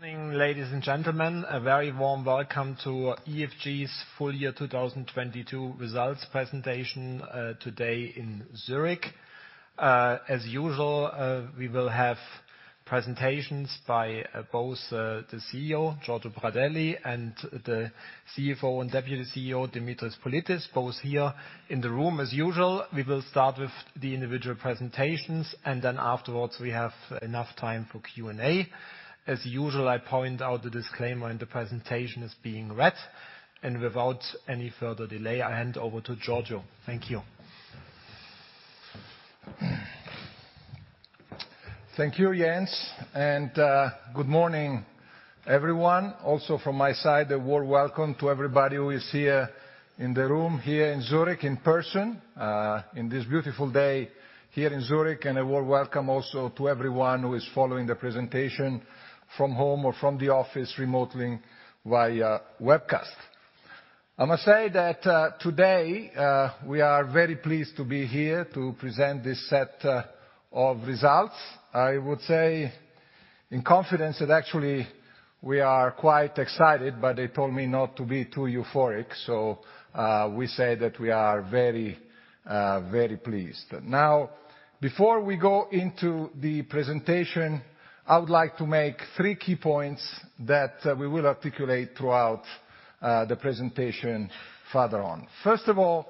Good morning, ladies and gentlemen. A very warm welcome to EFG's full year 2022 results presentation, today in Zurich. As usual, we will have presentations by both the CEO Giorgio Pradelli and the CFO and Deputy CEO Dimitris Politis, both here in the room. As usual, we will start with the individual presentations, and then afterwards we have enough time for Q&A. As usual, I point out the disclaimer in the presentation is being read. Without any further delay, I hand over to Giorgio. Thank you. Thank you, Jens. Good morning, everyone. Also from my side, a warm welcome to everybody who is here in the room here in Zurich in person, in this beautiful day here in Zurich. A warm welcome also to everyone who is following the presentation from home or from the office remotely via webcast. I must say that today we are very pleased to be here to present this set of results. I would say in confidence that actually we are quite excited, but they told me not to be too euphoric, so we say that we are very pleased. Before we go into the presentation, I would like to make three key points that we will articulate throughout the presentation further on. First of all,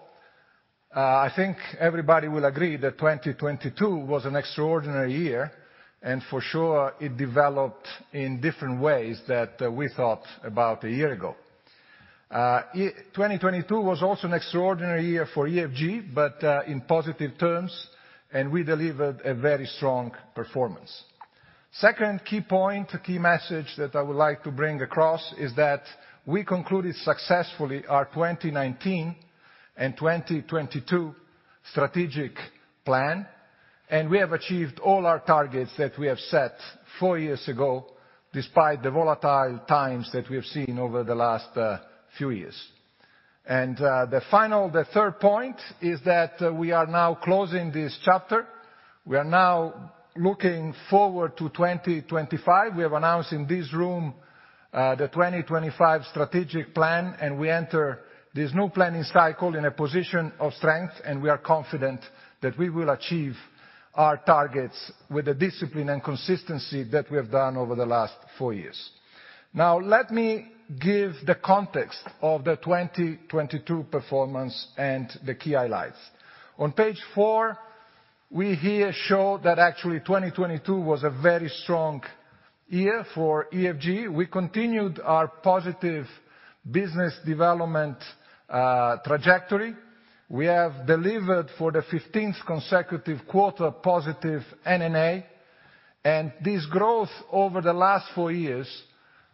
I think everybody will agree that 2022 was an extraordinary year, and for sure it developed in different ways that we thought about a year ago. 2022 was also an extraordinary year for EFG, but in positive terms, and we delivered a very strong performance. Second key point, key message that I would like to bring across is that we concluded successfully our 2019 and 2022 strategic plan, and we have achieved all our targets that we have set four years ago, despite the volatile times that we have seen over the last few years. The final, the third point is that we are now closing this chapter. We are now looking forward to 2025. We have announced in this room, the 2025 strategic plan. We enter this new planning cycle in a position of strength. We are confident that we will achieve our targets with the discipline and consistency that we have done over the last four years. Let me give the context of the 2022 performance and the key highlights. On page 4, we here show that actually 2022 was a very strong year for EFG. We continued our positive business development trajectory. We have delivered for the 15th consecutive quarter positive NNA. This growth over the last four years,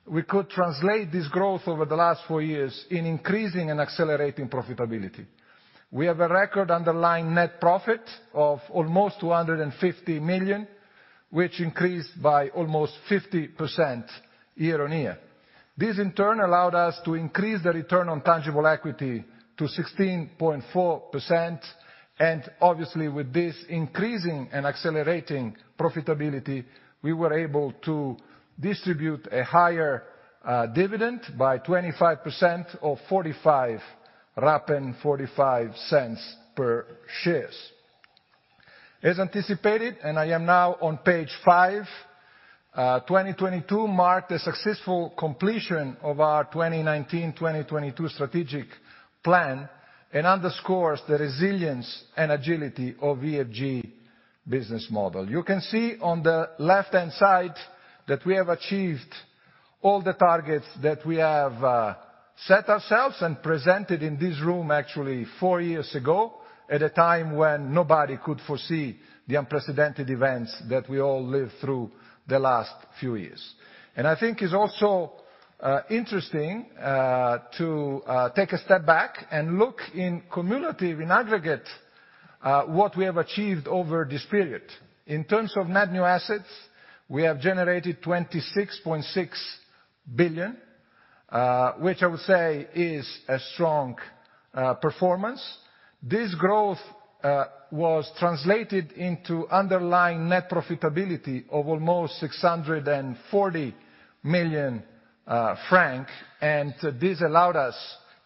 we could translate this growth over the last four years in increasing and accelerating profitability. We have a record underlying net profit of almost 250 million, which increased by almost 50% year-on-year. This in turn allowed us to increase the return on tangible equity to 16.4%. Obviously with this increasing and accelerating profitability, we were able to distribute a higher dividend by 25% of 0.45, 0.45 per shares. As anticipated, I am now on page 5, 2022 marked a successful completion of our 2019, 2022 strategic plan and underscores the resilience and agility of EFG business model. You can see on the left-hand side that we have achieved all the targets that we have set ourselves and presented in this room actually four years ago, at a time when nobody could foresee the unprecedented events that we all lived through the last few years. I think it's also interesting to take a step back and look in cumulative, in aggregate, what we have achieved over this period. In terms of net new assets, we have generated 26.6 billion, which I would say is a strong performance. This growth was translated into underlying net profitability of almost 640 million francs. This allowed us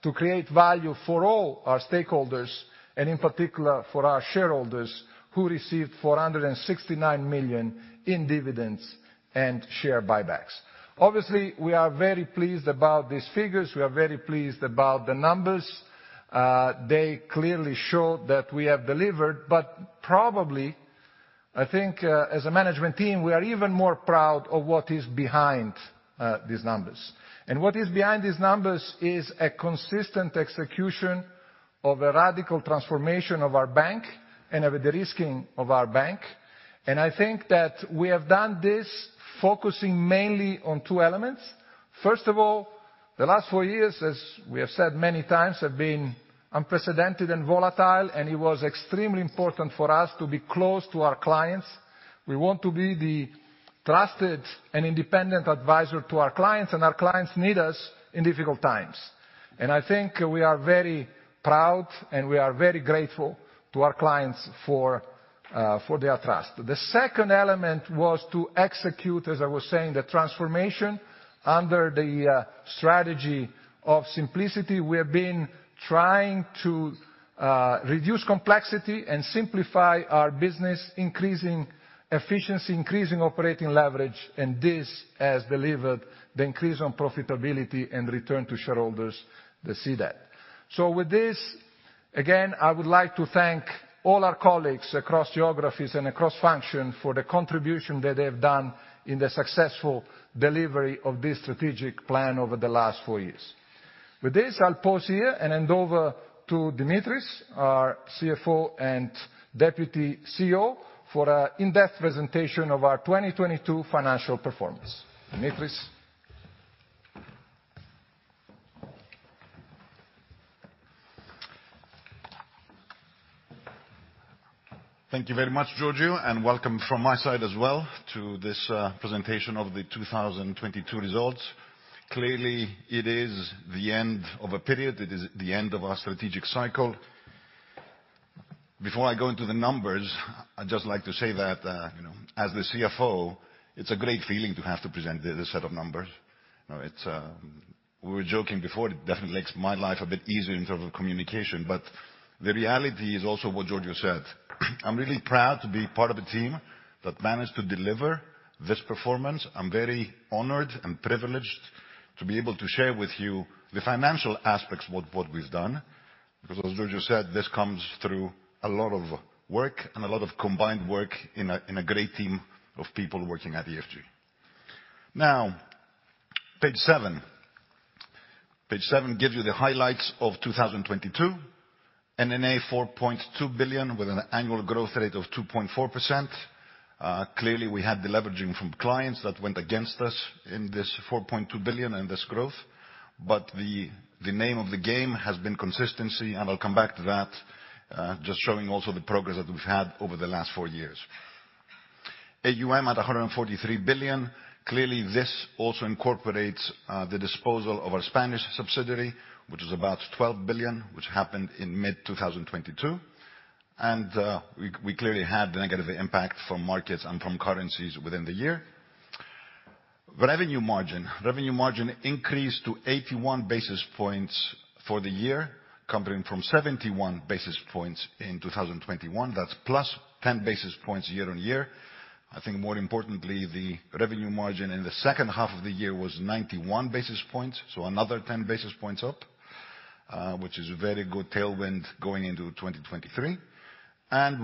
to create value for all our stakeholders, and in particular for our shareholders, who received 469 million in dividends and share buybacks. Obviously, we are very pleased about these figures. We are very pleased about the numbers. They clearly show that we have delivered, but probably, I think, as a management team, we are even more proud of what is behind these numbers. What is behind these numbers is a consistent execution of a radical transformation of our bank and of the de-risking of our bank. I think that we have done this focusing mainly on two elements. First of all, the last four years, as we have said many times, have been unprecedented and volatile, and it was extremely important for us to be close to our clients. We want to be the trusted and independent advisor to our clients, and our clients need us in difficult times. I think we are very proud and we are very grateful to our clients for their trust. The second element was to execute, as I was saying, the transformation under the strategy of simplicity. We have been trying to reduce complexity and simplify our business, increasing efficiency, increasing operating leverage, and this has delivered the increase on profitability and return to shareholders that see that. With this, again, I would like to thank all our colleagues across geographies and across function for the contribution that they have done in the successful delivery of this strategic plan over the last four years. With this, I'll pause here and hand over to Dimitris, our CFO and Deputy CEO, for a in-depth presentation of our 2022 financial performance. Dimitris. Thank you very much, Giorgio, welcome from my side as well to this presentation of the 2022 results. Clearly, it is the end of a period. It is the end of our strategic cycle. Before I go into the numbers, I'd just like to say that, you know, as the CFO, it's a great feeling to have to present this set of numbers. You know, it's, We were joking before, it definitely makes my life a bit easier in terms of communication, the reality is also what Giorgio said. I'm really proud to be part of a team that managed to deliver this performance. I'm very honored and privileged to be able to share with you the financial aspects what we've done. As Giorgio said, this comes through a lot of work and a lot of combined work in a great team of people working at EFG. Page 7. Page 7 gives you the highlights of 2022. NNA 4.2 billion with an annual growth rate of 2.4%. Clearly we had deleveraging from clients that went against us in this 4.2 billion and this growth, but the name of the game has been consistency, and I'll come back to that, just showing also the progress that we've had over the last four years. AUM at 143 billion. Clearly, this also incorporates the disposal of our Spanish subsidiary, which is about 12 billion, which happened in mid-2022. We clearly had the negative impact from markets and from currencies within the year. Revenue margin. Revenue margin increased to 81 basis points for the year, coming from 71 basis points in 2021. That's +10 basis points year-on-year. I think more importantly, the revenue margin in the second half of the year was 91 basis points, so another 10 basis points up, which is a very good tailwind going into 2023.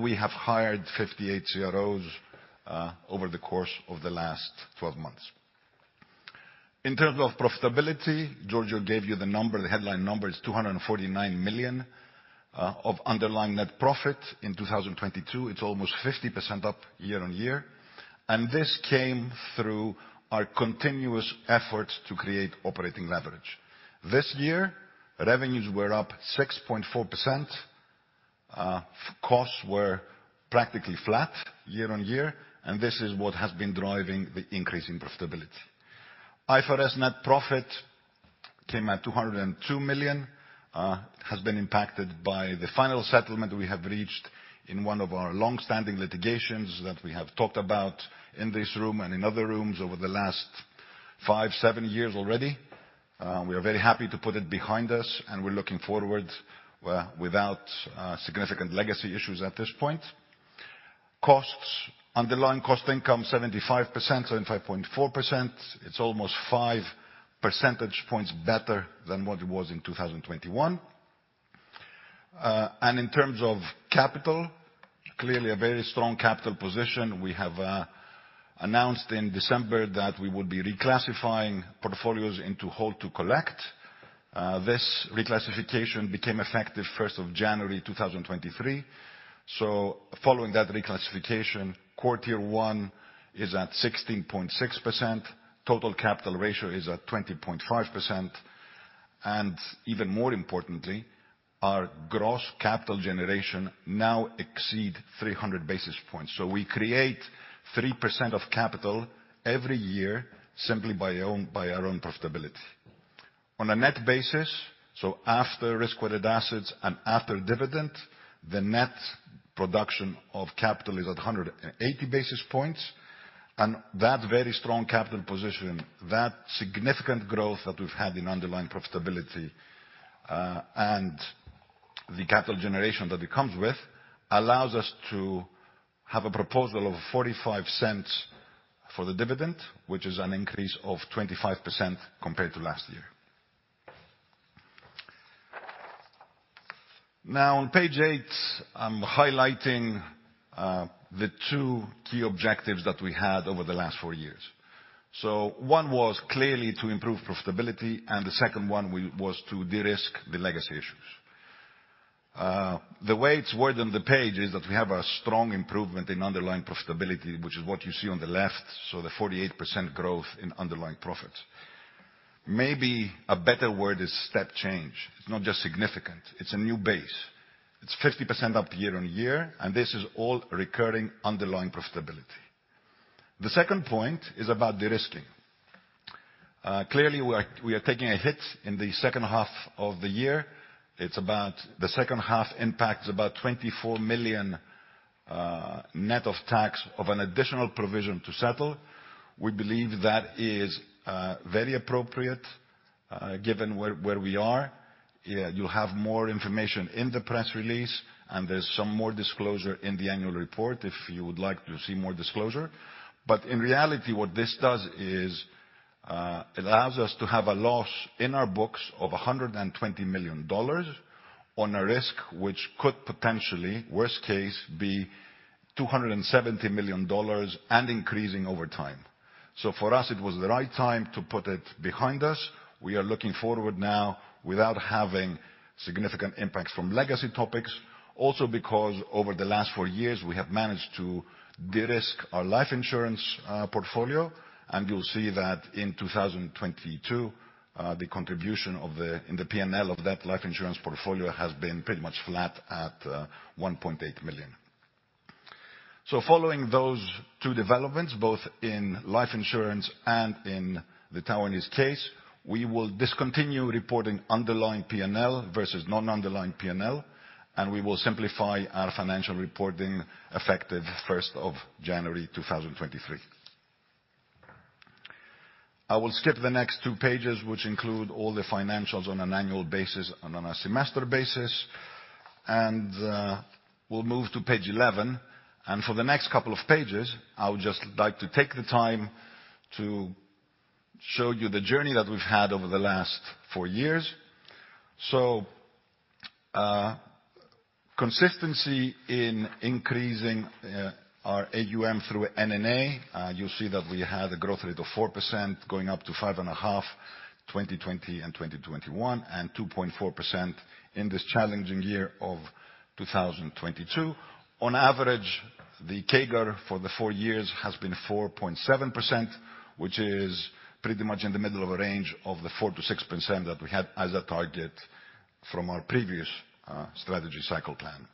We have hired 58 CROs over the course of the last 12 months. In terms of profitability, Giorgio gave you the number, the headline number is 249 million of underlying net profit in 2022. It's almost 50% up year-on-year. This came through our continuous efforts to create operating leverage. This year, revenues were up 6.4%. Costs were practically flat year-over-year, this is what has been driving the increase in profitability. IFRS net profit came at 202 million, has been impacted by the final settlement we have reached in one of our long-standing litigations that we have talked about in this room and in other rooms over the last five, seven years already. We are very happy to put it behind us, we're looking forward without significant legacy issues at this point. Costs, underlying cost income 75%, 75.4%. It's almost 5 percentage points better than what it was in 2021. In terms of capital, clearly a very strong capital position. We have announced in December that we would be reclassifying portfolios into Hold to Collect. This reclassification became effective 1st of January, 2023. Following that reclassification, core tier 1 is at 16.6%, total capital ratio is at 20.5%, and even more importantly, our gross capital generation now exceed 300 basis points. We create 3% of capital every year simply by our own profitability. On a net basis, after risk-weighted assets and after dividend, the net production of capital is at 180 basis points, and that very strong capital position, that significant growth that we've had in underlying profitability, and the capital generation that it comes with allows us to have a proposal of 0.45 for the dividend, which is an increase of 25% compared to last year. On page 8, I'm highlighting the two key objectives that we had over the last four years. One was clearly to improve profitability, and the second one was to de-risk the legacy issues. The way it's worded on the page is that we have a strong improvement in underlying profitability, which is what you see on the left, the 48% growth in underlying profit. Maybe a better word is step change. It's not just significant, it's a new base. It's 50% up year-on-year, and this is all recurring underlying profitability. The second point is about de-risking. Clearly, we are taking a hit in the second half of the year. It's about the second half impact is about 24 million net of tax of an additional provision to settle. We believe that is very appropriate given where we are. You have more information in the press release. There's some more disclosure in the annual report if you would like to see more disclosure. In reality, what this does is it allows us to have a loss in our books of $120 million on a risk which could potentially, worst case, be $270 million and increasing over time. For us, it was the right time to put it behind us. We are looking forward now without having significant impacts from legacy topics. Also, because over the last four years, we have managed to de-risk our life insurance portfolio, and you'll see that in 2022, the contribution of the, in the P&L of that life insurance portfolio has been pretty much flat at 1.8 million. Following those two developments, both in life insurance and in the Taiwanese loan case, we will discontinue reporting underlying P&L versus non-underlying P&L, and we will simplify our financial reporting effective 1st of January, 2023. I will skip the next two pages, which include all the financials on an annual basis and on a semester basis, and we'll move to page 11. For the next couple of pages, I would just like to take the time to show you the journey that we've had over the last four years. Consistency in increasing our AUM through NNA. You'll see that we had a growth rate of 4% going up to 5.5% in 2020 and 2021, and 2.4% in this challenging year of 2022. On average, the CAGR for the four years has been 4.7%, which is pretty much in the middle of a range of the 4%-6% that we had as a target from our previous strategy cycle plan.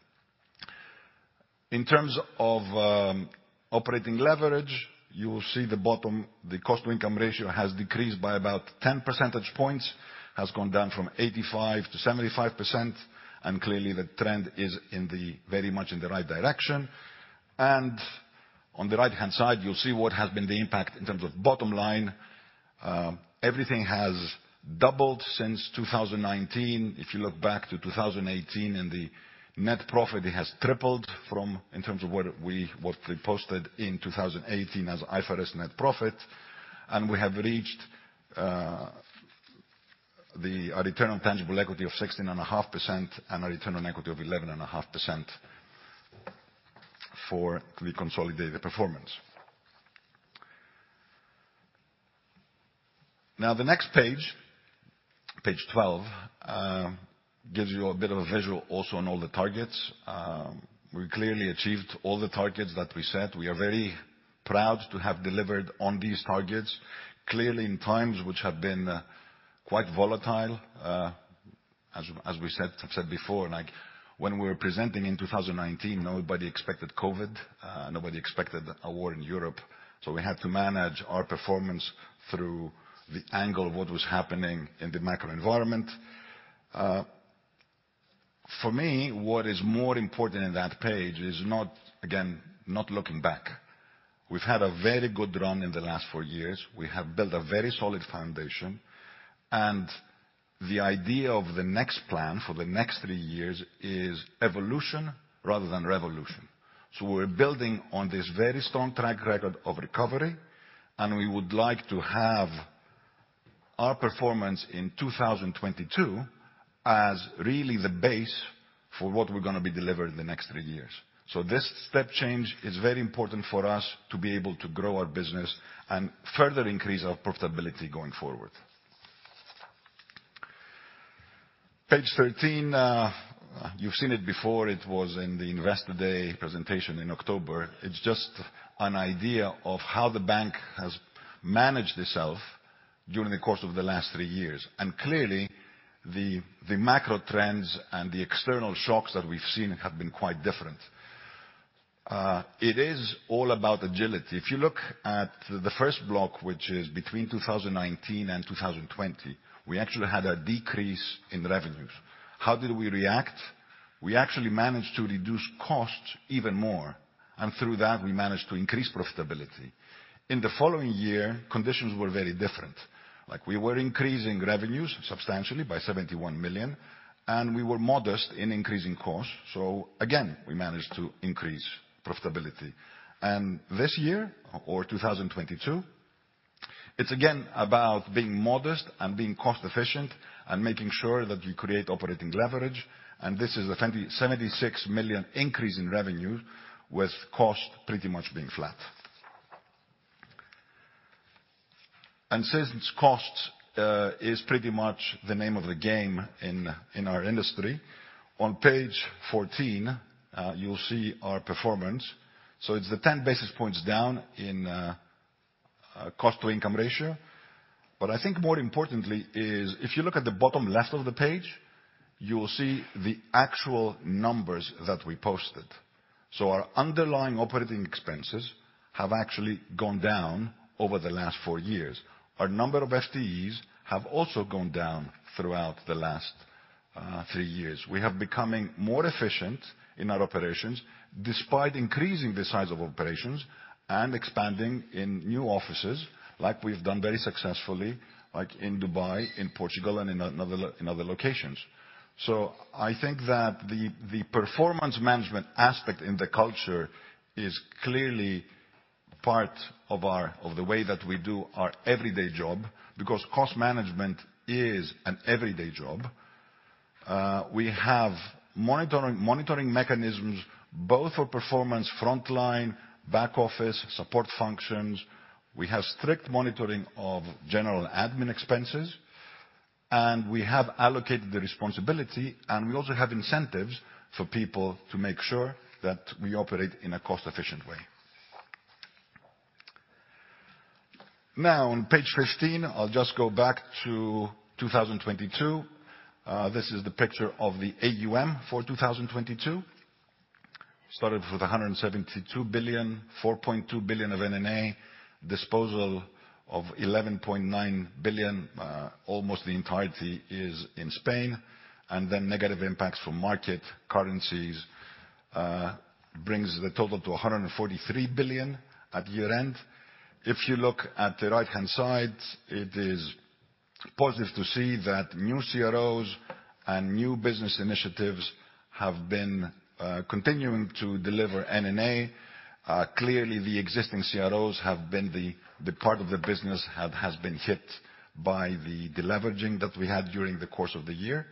In terms of operating leverage, you will see the bottom, the cost to income ratio has decreased by about 10 percentage points. Has gone down from 85% to 75%, and clearly, the trend is very much in the right direction. On the right-hand side, you'll see what has been the impact in terms of bottom line. Everything has doubled since 2019. If you look back to 2018 and the net profit, it has tripled from, in terms of what we posted in 2018 as IFRS net profit. We have reached a return on tangible equity of 16.5% and a return on equity of 11.5% for the consolidated performance. The next page 12, gives you a bit of a visual also on all the targets. We clearly achieved all the targets that we set. We are very proud to have delivered on these targets, clearly in times which have been quite volatile. As we said before, like when we were presenting in 2019, nobody expected COVID, nobody expected a war in Europe. We had to manage our performance through the angle of what was happening in the macro environment. For me, what is more important in that page is not, again, not looking back. We've had a very good run in the last four years. We have built a very solid foundation. The idea of the next plan for the next three years is evolution rather than revolution. We're building on this very strong track record of recovery, and we would like to have our performance in 2022 as really the base for what we're gonna be delivering the next three years. This step change is very important for us to be able to grow our business and further increase our profitability going forward. Page 13, you've seen it before. It was in the Investor Day presentation in October. It's just an idea of how the bank has managed itself during the course of the last three years. Clearly, the macro trends and the external shocks that we've seen have been quite different. It is all about agility. If you look at the first block, which is between 2019 and 2020, we actually had a decrease in revenues. How did we react? We actually managed to reduce costs even more, and through that, we managed to increase profitability. In the following year, conditions were very different. Like, we were increasing revenues substantially by 71 million, and we were modest in increasing costs. Again, we managed to increase profitability. This year, or 2022, it's again about being modest and being cost-efficient and making sure that we create operating leverage. This is a 76 million increase in revenue with cost pretty much being flat. Since cost is pretty much the name of the game in our industry, on page 14, you'll see our performance. It's the 10 basis points down in cost to income ratio. I think more importantly is if you look at the bottom left of the page. You will see the actual numbers that we posted. Our underlying operating expenses have actually gone down over the last four years. Our number of FTEs have also gone down throughout the last three years. We have becoming more efficient in our operations, despite increasing the size of operations and expanding in new offices, like we've done very successfully, like in Dubai, in Portugal, and in other locations. I think that the performance management aspect in the culture is clearly part of the way that we do our everyday job, because cost management is an everyday job. We have monitoring mechanisms, both for performance, frontline, back office, support functions. We have strict monitoring of general admin expenses, and we have allocated the responsibility, and we also have incentives for people to make sure that we operate in a cost-efficient way. On page 15, I'll just go back to 2022. This is the picture of the AUM for 2022. Started with 172 billion, 4.2 billion of NNA, disposal of 11.9 billion, almost the entirety is in Spain, and then negative impacts from market currencies, brings the total to 143 billion at year-end. If you look at the right-hand side, it is positive to see that new CROs and new business initiatives have been continuing to deliver NNA. Clearly, the existing CROs have been the part of the business has been hit by the deleveraging that we had during the course of the year.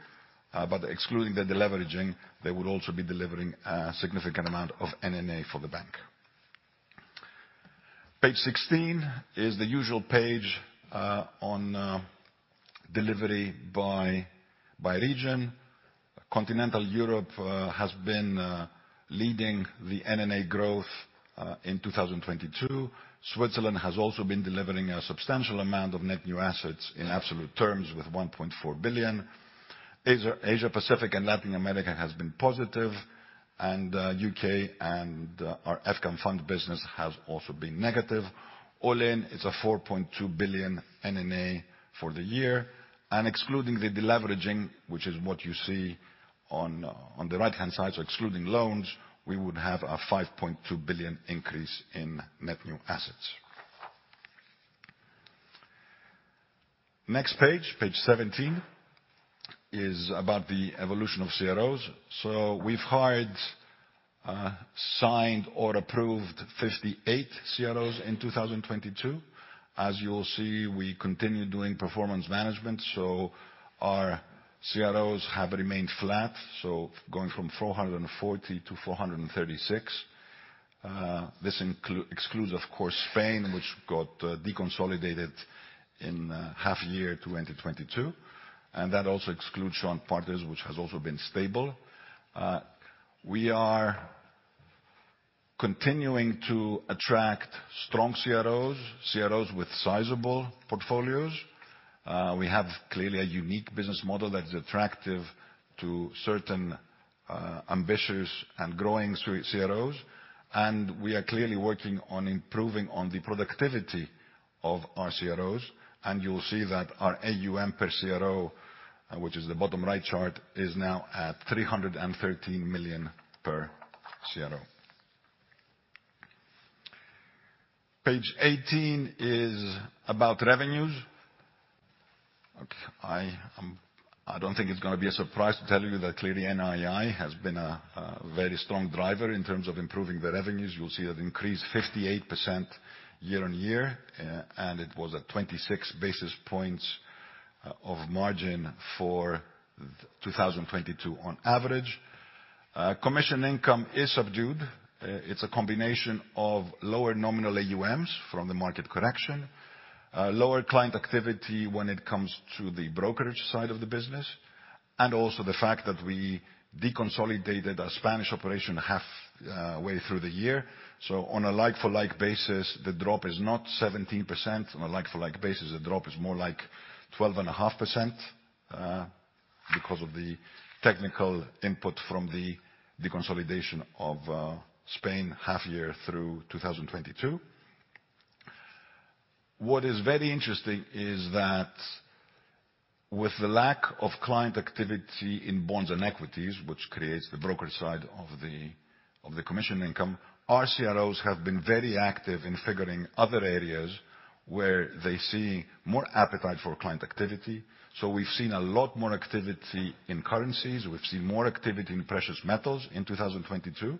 Excluding the deleveraging, they will also be delivering a significant amount of NNA for the bank. Page 16 is the usual page on delivery by region. Continental Europe has been leading the NNA growth in 2022. Switzerland has also been delivering a substantial amount of net new assets in absolute terms with 1.4 billion. Asia Pacific and Latin America has been positive, and U.K. and our FCAM fund business has also been negative. All in, it's a 4.2 billion NNA for the year. Excluding the deleveraging, which is what you see on the right-hand side, excluding loans, we would have a 5.2 billion increase in net new assets. Next page 17, is about the evolution of CROs. We've hired, signed or approved 58 CROs in 2022. As you will see, we continue doing performance management. Our CROs have remained flat, going from 440 to 436. This excludes, of course, Spain, which got deconsolidated in half year 2022. That also excludes Shaw and Partners, which has also been stable. We are continuing to attract strong CROs with sizable portfolios. We have clearly a unique business model that is attractive to certain, ambitious and growing CROs, we are clearly working on improving on the productivity of our CROs. You'll see that our AUM per CRO, which is the bottom right chart, is now at 313 million per CRO. Page 18 is about revenues. I don't think it's gonna be a surprise to tell you that clearly NII has been a very strong driver in terms of improving the revenues. You'll see that increase 58% year-over-year, it was at 26 basis points of margin for 2022 on average. Commission income is subdued. It's a combination of lower nominal AUMs from the market correction, lower client activity when it comes to the brokerage side of the business, and also the fact that we deconsolidated our Spanish operation half way through the year. On a like-for-like basis, the drop is not 17%. On a like-for-like basis, the drop is more like 12.5%, because of the technical input from the deconsolidation of Spain half year through 2022. What is very interesting is that with the lack of client activity in bonds and equities, which creates the broker side of the commission income, our CROs have been very active in figuring other areas where they see more appetite for client activity. We've seen a lot more activity in currencies. We've seen more activity in precious metals in 2022,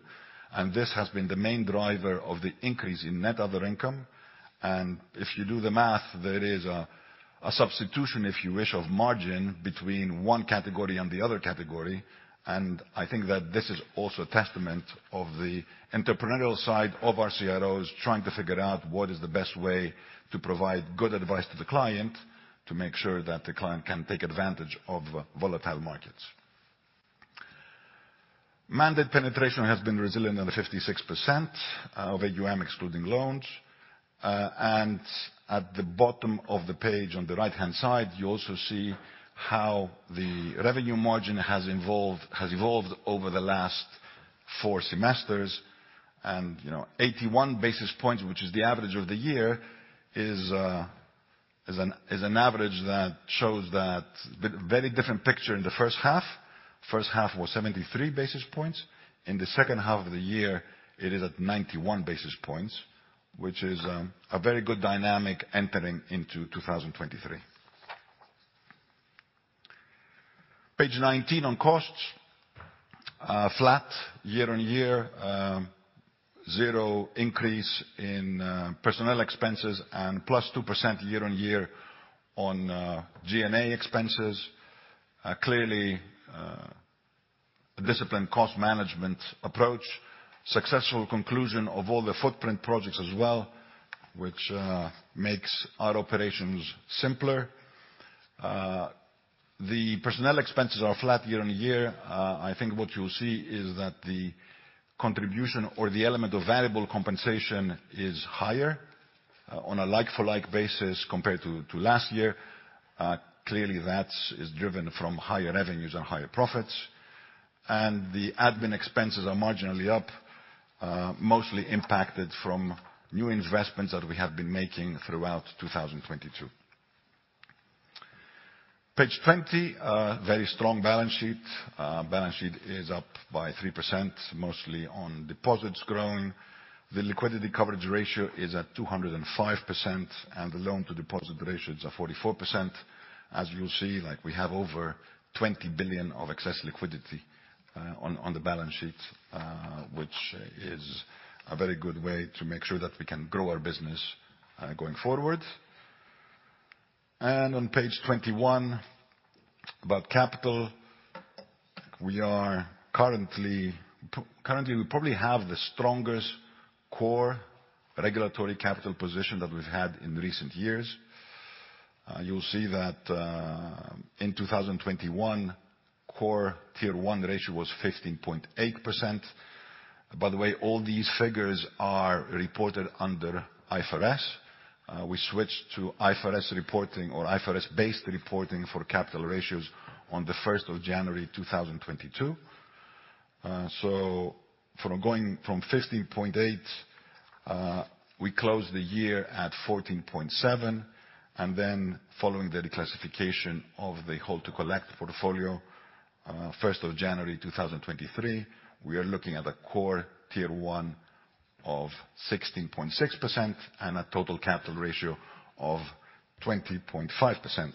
and this has been the main driver of the increase in net other income. If you do the math, there is a substitution, if you wish, of margin between one category and the other category. I think that this is also a testament of the entrepreneurial side of our CROs trying to figure out what is the best way to provide good advice to the client to make sure that the client can take advantage of volatile markets. Mandate penetration has been resilient at 56% of AUM excluding loans. At the bottom of the page on the right-hand side, you also see how the revenue margin has evolved over the last four semesters. You know, 81 basis points, which is the average of the year, is an average that shows a very different picture in the first half. First half was 73 basis points. In the second half of the year, it is at 91 basis points, which is a very good dynamic entering into 2023. Page 19 on costs, flat year-over-year. Zero increase in personnel expenses and +2% year-over-year on G&A expenses. Clearly, discipline cost management approach. Successful conclusion of all the footprint projects as well, which makes our operations simpler. The personnel expenses are flat year-over-year. I think what you'll see is that the contribution or the element of variable compensation is higher on a like-for-like basis compared to last year. Clearly, that is driven from higher revenues and higher profits. The admin expenses are marginally up, mostly impacted from new investments that we have been making throughout 2022. Page 20, a very strong balance sheet. Balance sheet is up by 3%, mostly on deposits grown. The liquidity coverage ratio is at 205%, and the loan-to-deposit ratios are 44%. As you'll see, like, we have over 20 billion of excess liquidity on the balance sheet, which is a very good way to make sure that we can grow our business going forward. On page 21, about capital. We currently have the strongest core regulatory capital position that we've had in recent years. You'll see that in 2021, core tier 1 ratio was 15.8%. By the way, all these figures are reported under IFRS. We switched to IFRS reporting or IFRS-based reporting for capital ratios on the 1st of January, 2022. From going from 15.8, we closed the year at 14.7. Following the declassification of the hold to collect portfolio, 1st of January, 2023, we are looking at a core tier 1 of 16.6% and a total capital ratio of 20.5%.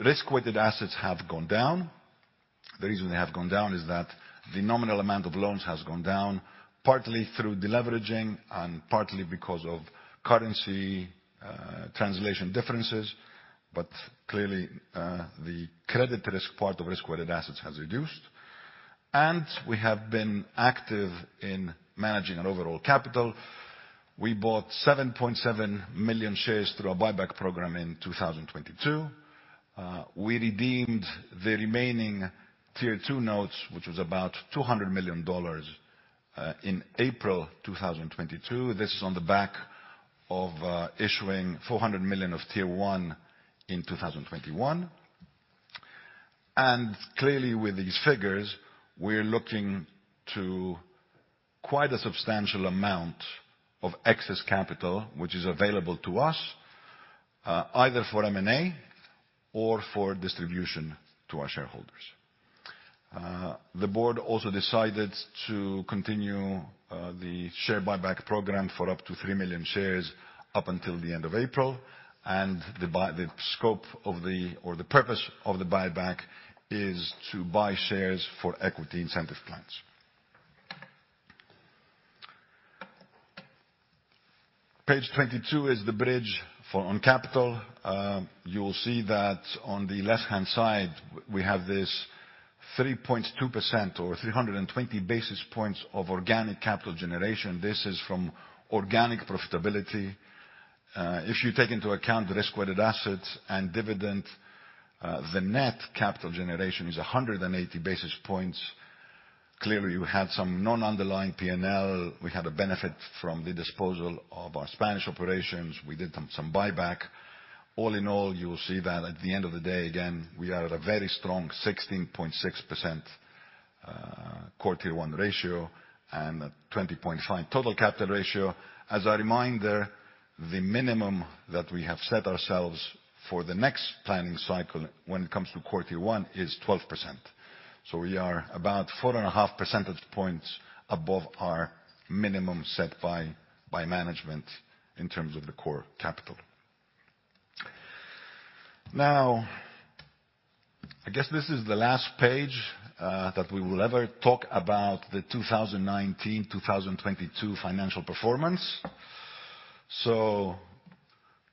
Risk-weighted assets have gone down. The reason they have gone down is that the nominal amount of loans has gone down, partly through deleveraging and partly because of currency translation differences. Clearly, the credit risk part of risk-weighted assets has reduced. We have been active in managing our overall capital. We bought 7.7 million shares through our buyback program in 2022. We redeemed the remaining tier 2 notes, which was about $200 million, in April 2022. This is on the back of issuing $400 million of tier 1 in 2021. Clearly, with these figures, we're looking to quite a substantial amount of excess capital, which is available to us, either for M&A or for distribution to our shareholders. The board also decided to continue the share buyback program for up to 3 million shares up until the end of April. The scope of the, or the purpose of the buyback is to buy shares for equity incentive plans. Page 22 is the bridge for on capital. You will see that on the left-hand side, we have this 3.2% or 320 basis points of organic capital generation. This is from organic profitability. If you take into account risk-weighted assets and dividend, the net capital generation is 180 basis points. Clearly, we had some non-underlying P&L. We had a benefit from the disposal of our Spanish operations. We did some buyback. All in all, you will see that at the end of the day, again, we are at a very strong 16.6%, core tier 1 ratio and a 20.5 total capital ratio. As a reminder, the minimum that we have set ourselves for the next planning cycle when it comes to core tier 1 is 12%. We are about 4.5 percentage points above our minimum set by management in terms of the core capital. Now, I guess this is the last page that we will ever talk about the 2019, 2022 financial performance.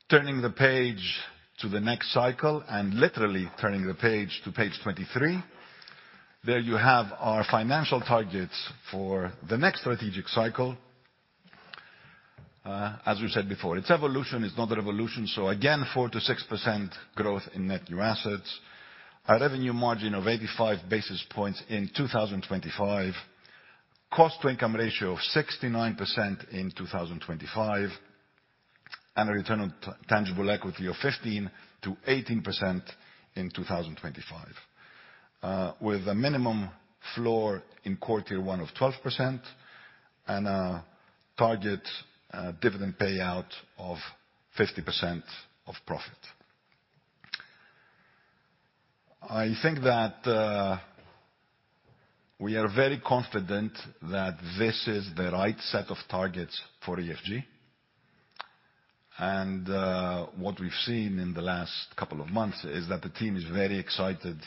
Turning the page to the next cycle and literally turning the page to page 23, there you have our financial targets for the next strategic cycle. As we said before, it's evolution is not a revolution. Again, 4%-6% growth in net new assets. Our revenue margin f 85 basis points in 2025. Cost to income ratio of 69% in 2025, and a return on tangible equity of 15%-18% in 2025. With a minimum floor in quarter one of 12% and, target, dividend payout of 50% of profit. I think that, we are very confident that this is the right set of targets for EFG. What we've seen in the last couple of months is that the team is very excited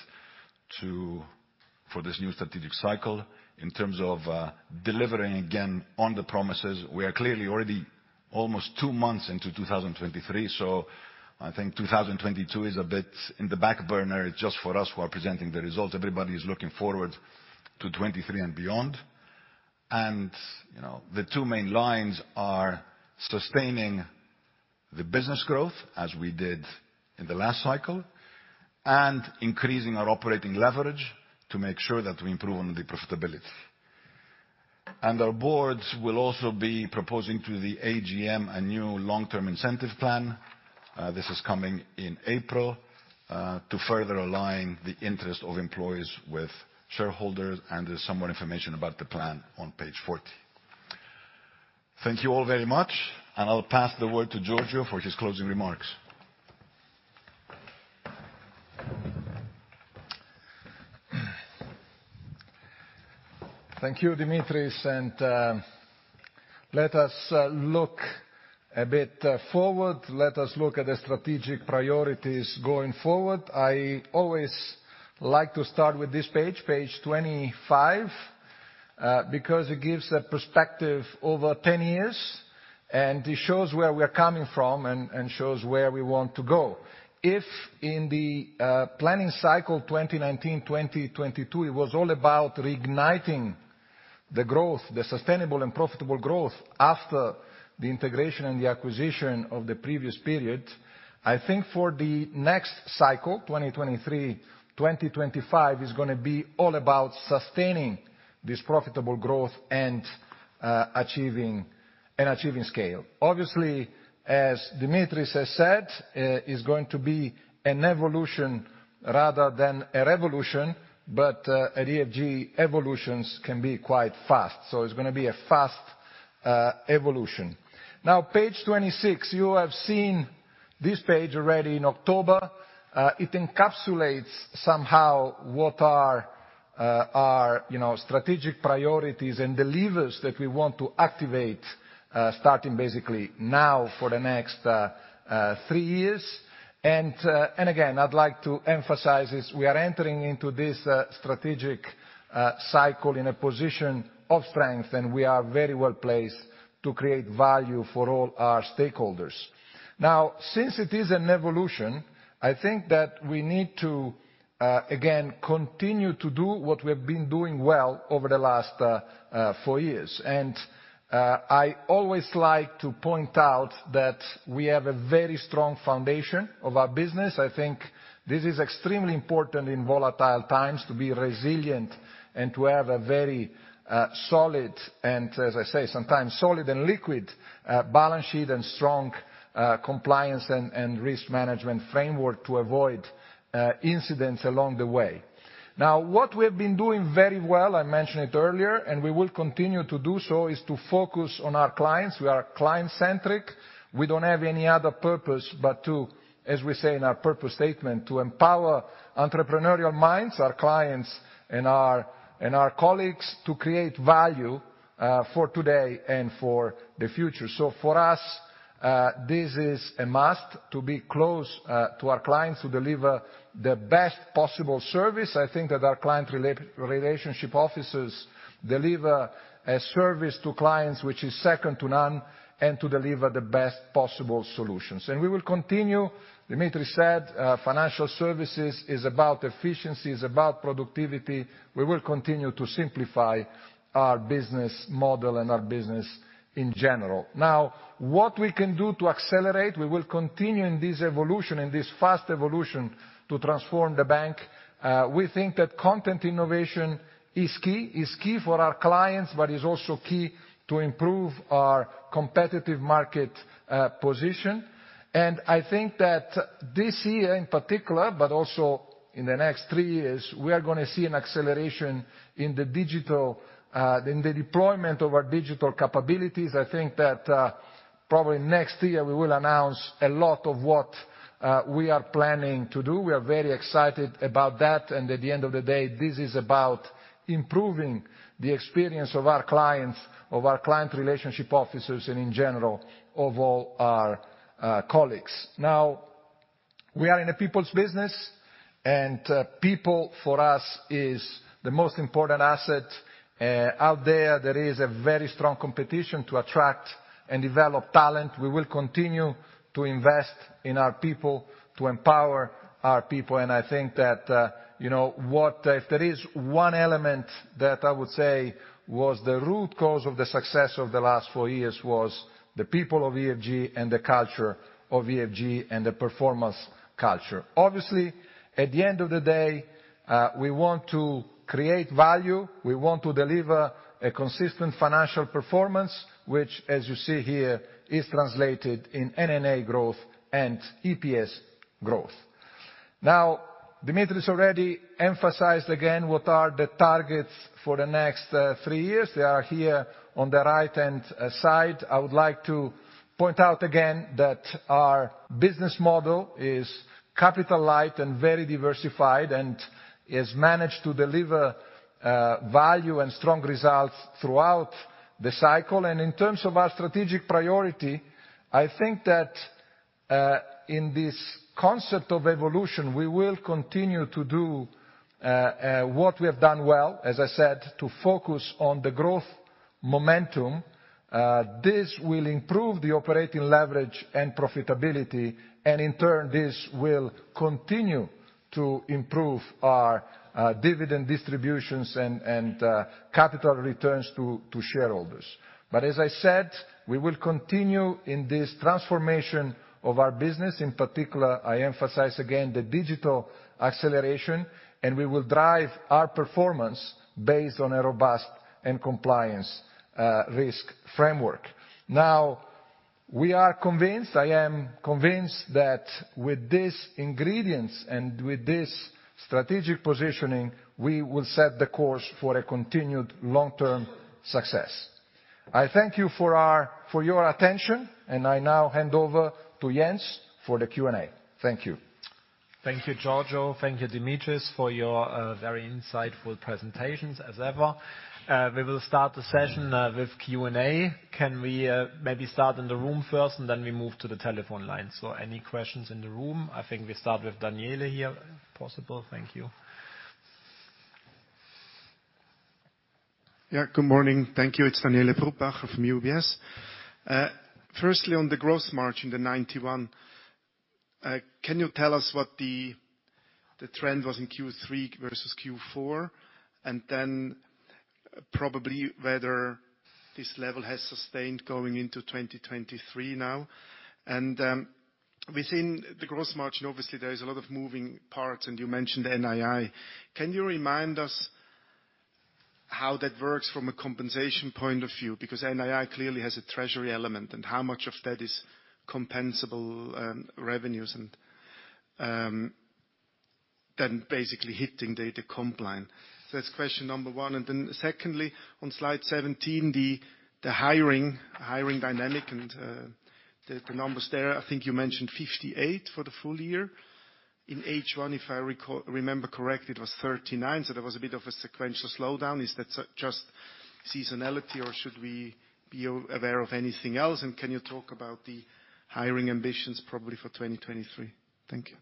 to for this new strategic cycle in terms of, delivering again on the promises. We are clearly already almost two months into 2023, I think 2022 is a bit in the back burner just for us who are presenting the results. Everybody is looking forward to 2023 and beyond. You know, the two main lines are sustaining the business growth as we did in the last cycle and increasing our operating leverage to make sure that we improve on the profitability. Our boards will also be proposing to the AGM a new long-term incentive plan, this is coming in April, to further align the interest of employees with shareholders, and there's some more information about the plan on page 40. Thank you all very much, and I'll pass the word to Giorgio for his closing remarks. Thank you, Dimitris. Let us look a bit forward. Let us look at the strategic priorities going forward. I always like to start with this page 25, because it gives a perspective over 10 years, and it shows where we're coming from and shows where we want to go. If in the planning cycle, 2019, 2022, it was all about reigniting the growth, the sustainable and profitable growth after the integration and the acquisition of the previous period. I think for the next cycle, 2023, 2025 is gonna be all about sustaining this profitable growth and achieving scale. Obviously, as Dimitris has said, is going to be an evolution rather than a revolution, at EFG, evolutions can be quite fast, so it's gonna be a fast evolution. Now, page 26, you have seen this page already in October. It encapsulates somehow what are our, you know, strategic priorities and the levers that we want to activate, starting basically now for the next three years. Again, I'd like to emphasize this, we are entering into this strategic cycle in a position of strength, and we are very well placed to create value for all our stakeholders. Now, since it is an evolution, I think that we need to again, continue to do what we have been doing well over the last four years. I always like to point out that we have a very strong foundation of our business. I think this is extremely important in volatile times to be resilient and to have a very solid and, as I say, sometimes solid and liquid balance sheet and strong compliance and risk management framework to avoid incidents along the way. What we have been doing very well, I mentioned it earlier, and we will continue to do so, is to focus on our clients. We are client-centric. We don't have any other purpose but to, as we say in our purpose statement, to empower entrepreneurial minds, our clients and our colleagues to create value for today and for the future. For us, this is a must to be close to our clients, to deliver the best possible service. I think that our client relationship officers deliver a service to clients which is second to none and to deliver the best possible solutions. We will continue, Dimitris said, financial services is about efficiency, is about productivity. We will continue to simplify our business model and our business in general. Now, what we can do to accelerate, we will continue in this evolution, in this fast evolution to transform the bank. We think that content innovation is key, is key for our clients, but is also key to improve our competitive market position. I think that this year in particular, but also in the next three years, we are gonna see an acceleration in the digital, in the deployment of our digital capabilities. I think that, probably next year we will announce a lot of what we are planning to do. We are very excited about that. At the end of the day, this is about improving the experience of our clients, of our client relationship officers and in general of all our colleagues. Now, we are in a people's business. People for us is the most important asset. Out there there is a very strong competition to attract and develop talent. We will continue to invest in our people, to empower our people, and I think that, you know, if there is one element that I would say was the root cause of the success of the last four years was the people of EFG and the culture of EFG and the performance culture. Obviously, at the end of the day, we want to create value, we want to deliver a consistent financial performance, which, as you see here, is translated in NNA growth and EPS growth. Dimitris already emphasized again what are the targets for the next three years. They are here on the right-hand side. I would like to point out again that our business model is capital light and very diversified, and has managed to deliver value and strong results throughout the cycle. In terms of our strategic priority, I think that, in this concept of evolution, we will continue to do what we have done well, as I said, to focus on the growth momentum. This will improve the operating leverage and profitability, and in turn, this will continue to improve our dividend distributions and capital returns to shareholders. As I said, we will continue in this transformation of our business. In particular, I emphasize again the digital acceleration, we will drive our performance based on a robust and compliance risk framework. We are convinced, I am convinced that with these ingredients and with this strategic positioning, we will set the course for a continued long-term success. I thank you for your attention, I now hand over to Jens for the Q&A. Thank you. Thank you, Giorgio. Thank you, Dimitris, for your very insightful presentations as ever. We will start the session with Q&A. Can we maybe start in the room first, and then we move to the telephone lines? Any questions in the room? I think we start with Daniele here, if possible. Thank you. Good morning. Thank you. It's Daniele Brupbacher from UBS. Firstly, on the gross margin, the 91, can you tell us what the trend was in Q3 versus Q4? Then probably whether this level has sustained going into 2023 now. Within the gross margin, obviously, there is a lot of moving parts, and you mentioned NII. Can you remind us how that works from a compensation point of view? Because NII clearly has a treasury element, and how much of that is compensable revenues, and then basically hitting data comp line? That's question number one. Secondly, on slide 17, the hiring dynamic and the numbers there, I think you mentioned 58 for the full year. In H1, if I remember correctly, it was 39, so there was a bit of a sequential slowdown. Is that just seasonality, or should we be aware of anything else? Can you talk about the hiring ambitions probably for 2023? Thank you.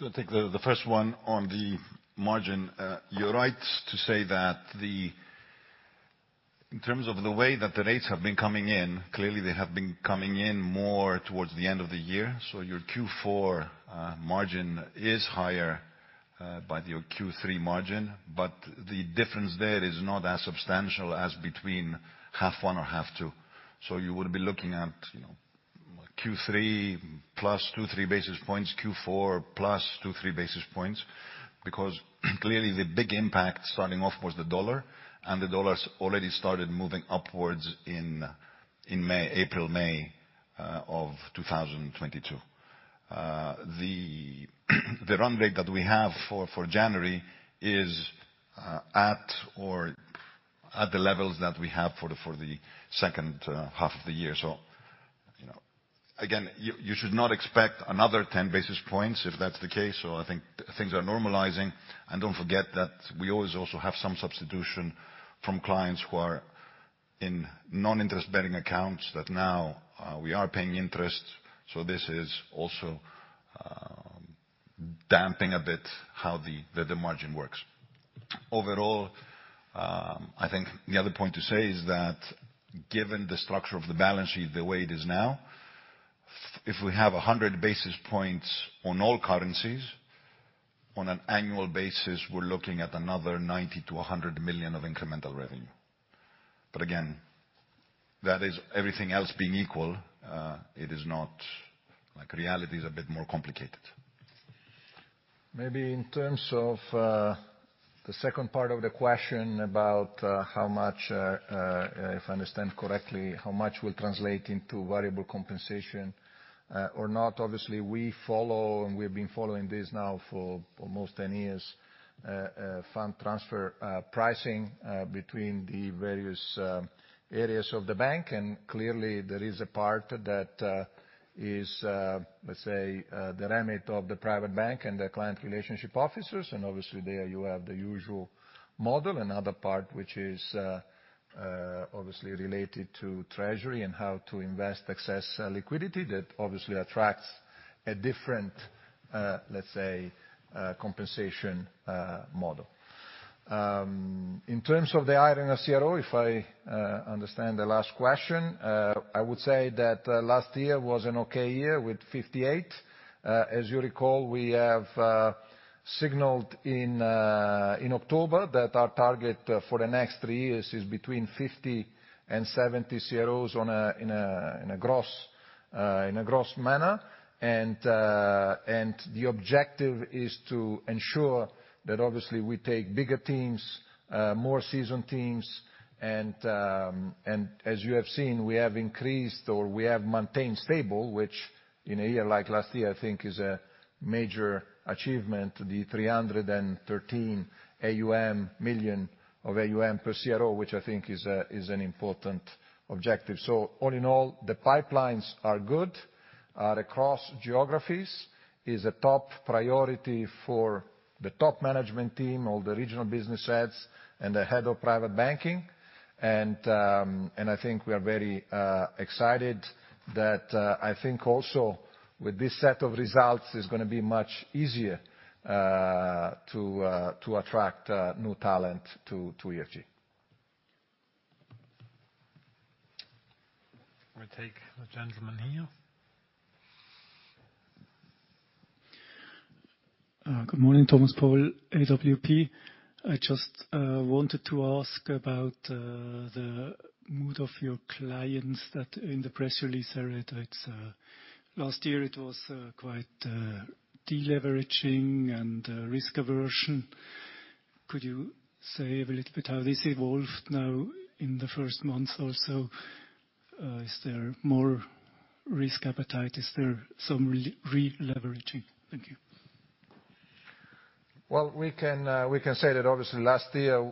I'll take the first one on the margin. You're right to say that in terms of the way that the rates have been coming in, clearly they have been coming in more towards the end of the year. Your Q4 margin is higher by your Q3 margin. The difference there is not as substantial as between half one or half two. You would be looking at, you know, Q3 +2, 3 basis points, Q4 +2, 3 basis points. Clearly the big impact starting off was the dollar, and the dollar's already started moving upwards in May, April, May of 2022. The run rate that we have for January is at or at the levels that we have for the second half of the year. You know, again, you should not expect another 10 basis points if that's the case. I think things are normalizing. Don't forget that we always also have some substitution from clients who are in non-interest-bearing accounts that now we are paying interest. This is also damping a bit how the margin works. Overall, I think the other point to say is that given the structure of the balance sheet the way it is now, if we have 100 basis points on all currencies, on an annual basis, we're looking at another 90-100 million of incremental revenue. Again, that is everything else being equal. Like reality is a bit more complicated. Maybe in terms of the second part of the question about how much, if I understand correctly, how much will translate into variable compensation or not. Obviously, we follow, and we've been following this now for almost 10 years, fund transfer pricing between the various areas of the bank. Clearly there is a part that is, let's say, the remit of the private bank and the client relationship officers. Obviously there you have the usual model. Another part which is obviously related to treasury and how to invest excess liquidity that obviously attracts a different, let's say, compensation model. In terms of the hiring of CRO, if I understand the last question, I would say that last year was an okay year with 58. As you recall, we have signaled in October that our target for the next three years is between 50 and 70 CROs in a gross manner. The objective is to ensure that obviously we take bigger teams, more seasoned teams, and as you have seen, we have increased, or we have maintained stable, which in a year like last year, I think is a major achievement, the 313 million AUM per CRO, which I think is an important objective. All in all, the pipelines are good, are across geographies, is a top priority for the top management team, all the regional business heads and the head of private banking. I think we are very excited that, I think also with this set of results, it's gonna be much easier to attract new talent to EFG. We'll take the gentleman here. Good morning. Thomas Hallett, KBW. I just wanted to ask about the mood of your clients that in the press release read that last year it was quite deleveraging and risk aversion. Could you say a little bit how this evolved now in the first months or so? Is there more risk appetite? Is there some re-leveraging? Thank you. Well, we can say that obviously last year,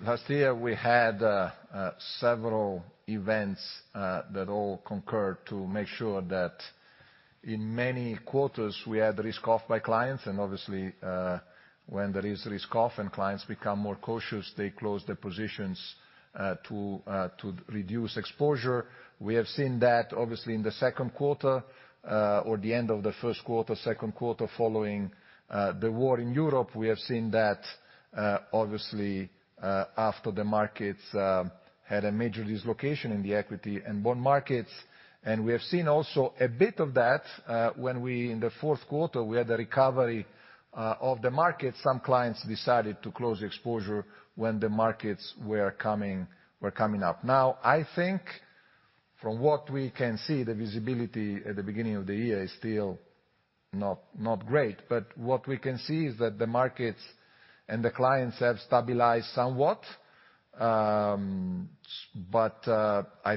last year we had several events that all concurred to make sure that in many quarters, we had risk-off by clients. Obviously, when there is risk-off and clients become more cautious, they close their positions to reduce exposure. We have seen that obviously in the second quarter, or the end of the first quarter, second quarter following the war in Europe. We have seen that obviously after the markets had a major dislocation in the equity and bond markets. We have seen also a bit of that when we in the fourth quarter, we had a recovery of the market. Some clients decided to close the exposure when the markets were coming up. I think from what we can see, the visibility at the beginning of the year is still not great. What we can see is that the markets and the clients have stabilized somewhat. I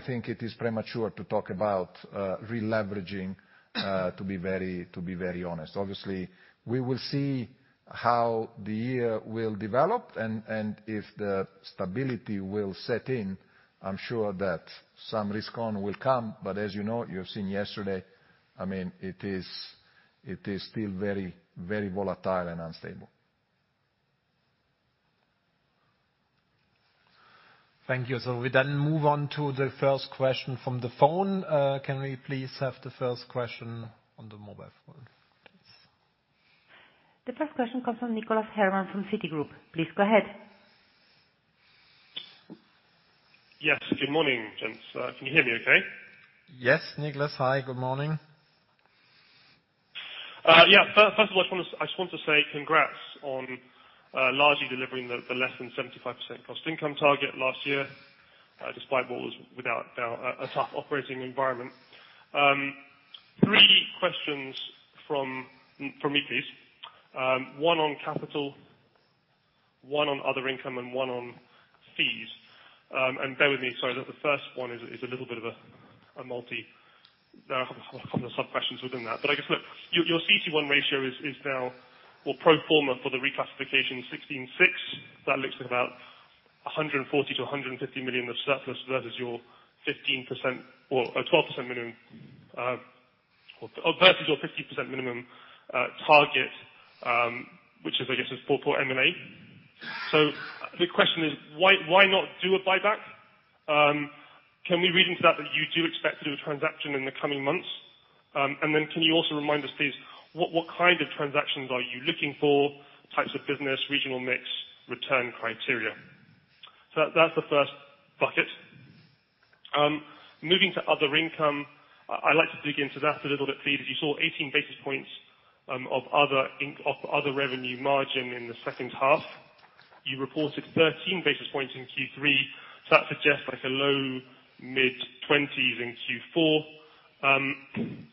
think it is premature to talk about releveraging to be very honest. Obviously, we will see how the year will develop and if the stability will set in. I'm sure that some risk on will come, but as you know, you've seen yesterday, I mean, it is still very, very volatile and unstable. Thank you. So we then move on to the first question from the phone. Can we please have the first question on the mobile phone? Thanks. The first question comes from Nicholas Herman from Citigroup. Please go ahead. Yes. Good morning, gents. Can you hear me okay? Yes, Nicholas. Hi, good morning. Yeah. First of all, I just want to say congrats on largely delivering the less than 75% cost income target last year, despite what was without doubt a tough operating environment. Three questions from me, please. One on capital, one on other income, and one on fees. Bear with me. Sorry. The first one is a little bit of a multi... There are a couple of sub-questions within that. I guess, look, your CET1 ratio is now, well, pro forma for the reclassification 16.6%. That looks at about 140-150 million of surplus versus your 15% or 12% minimum, versus your 50% minimum target, which is, I guess, for M&A. The question is, why not do a buyback? Can we read into that you do expect to do a transaction in the coming months? Can you also remind us, please, what kind of transactions are you looking for, types of business, regional mix, return criteria? That's the first bucket. Moving to other income, I'd like to dig into that a little bit, please. You saw 18 basis points of other revenue margin in the second half. You reported 13 basis points in Q3. That suggests like a low-mid 20s in Q4.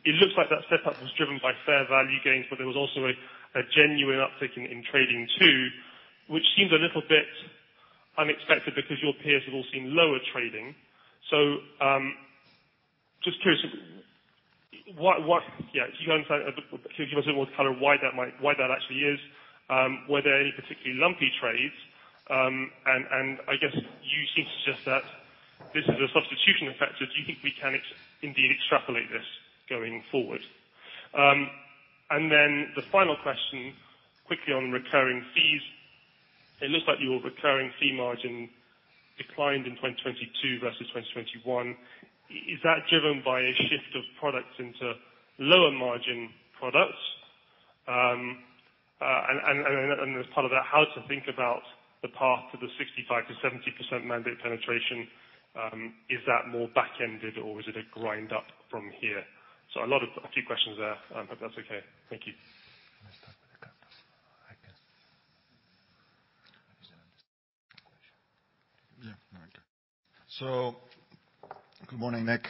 It looks like that step-up was driven by fair value gains, but there was also a genuine uptick in trading too, which seemed a little bit unexpected because your peers have all seen lower trading. Just curious, what. If you can give us a bit more color why that might, why that actually is? Were there any particularly lumpy trades? I guess you seem to suggest that this is a substitution effect. Do you think we can indeed extrapolate this going forward? The final question, quickly on recurring fees. It looks like your recurring fee margin declined in 2022 versus 2021. Is that driven by a shift of products into lower margin products? And, and as part of that, how to think about the path to the 65%-70% mandate penetration, is that more back-ended or is it a grind up from here? A few questions there, but that's okay. Thank you. Let's start with the capital, I guess. Yeah. Good morning, Nick.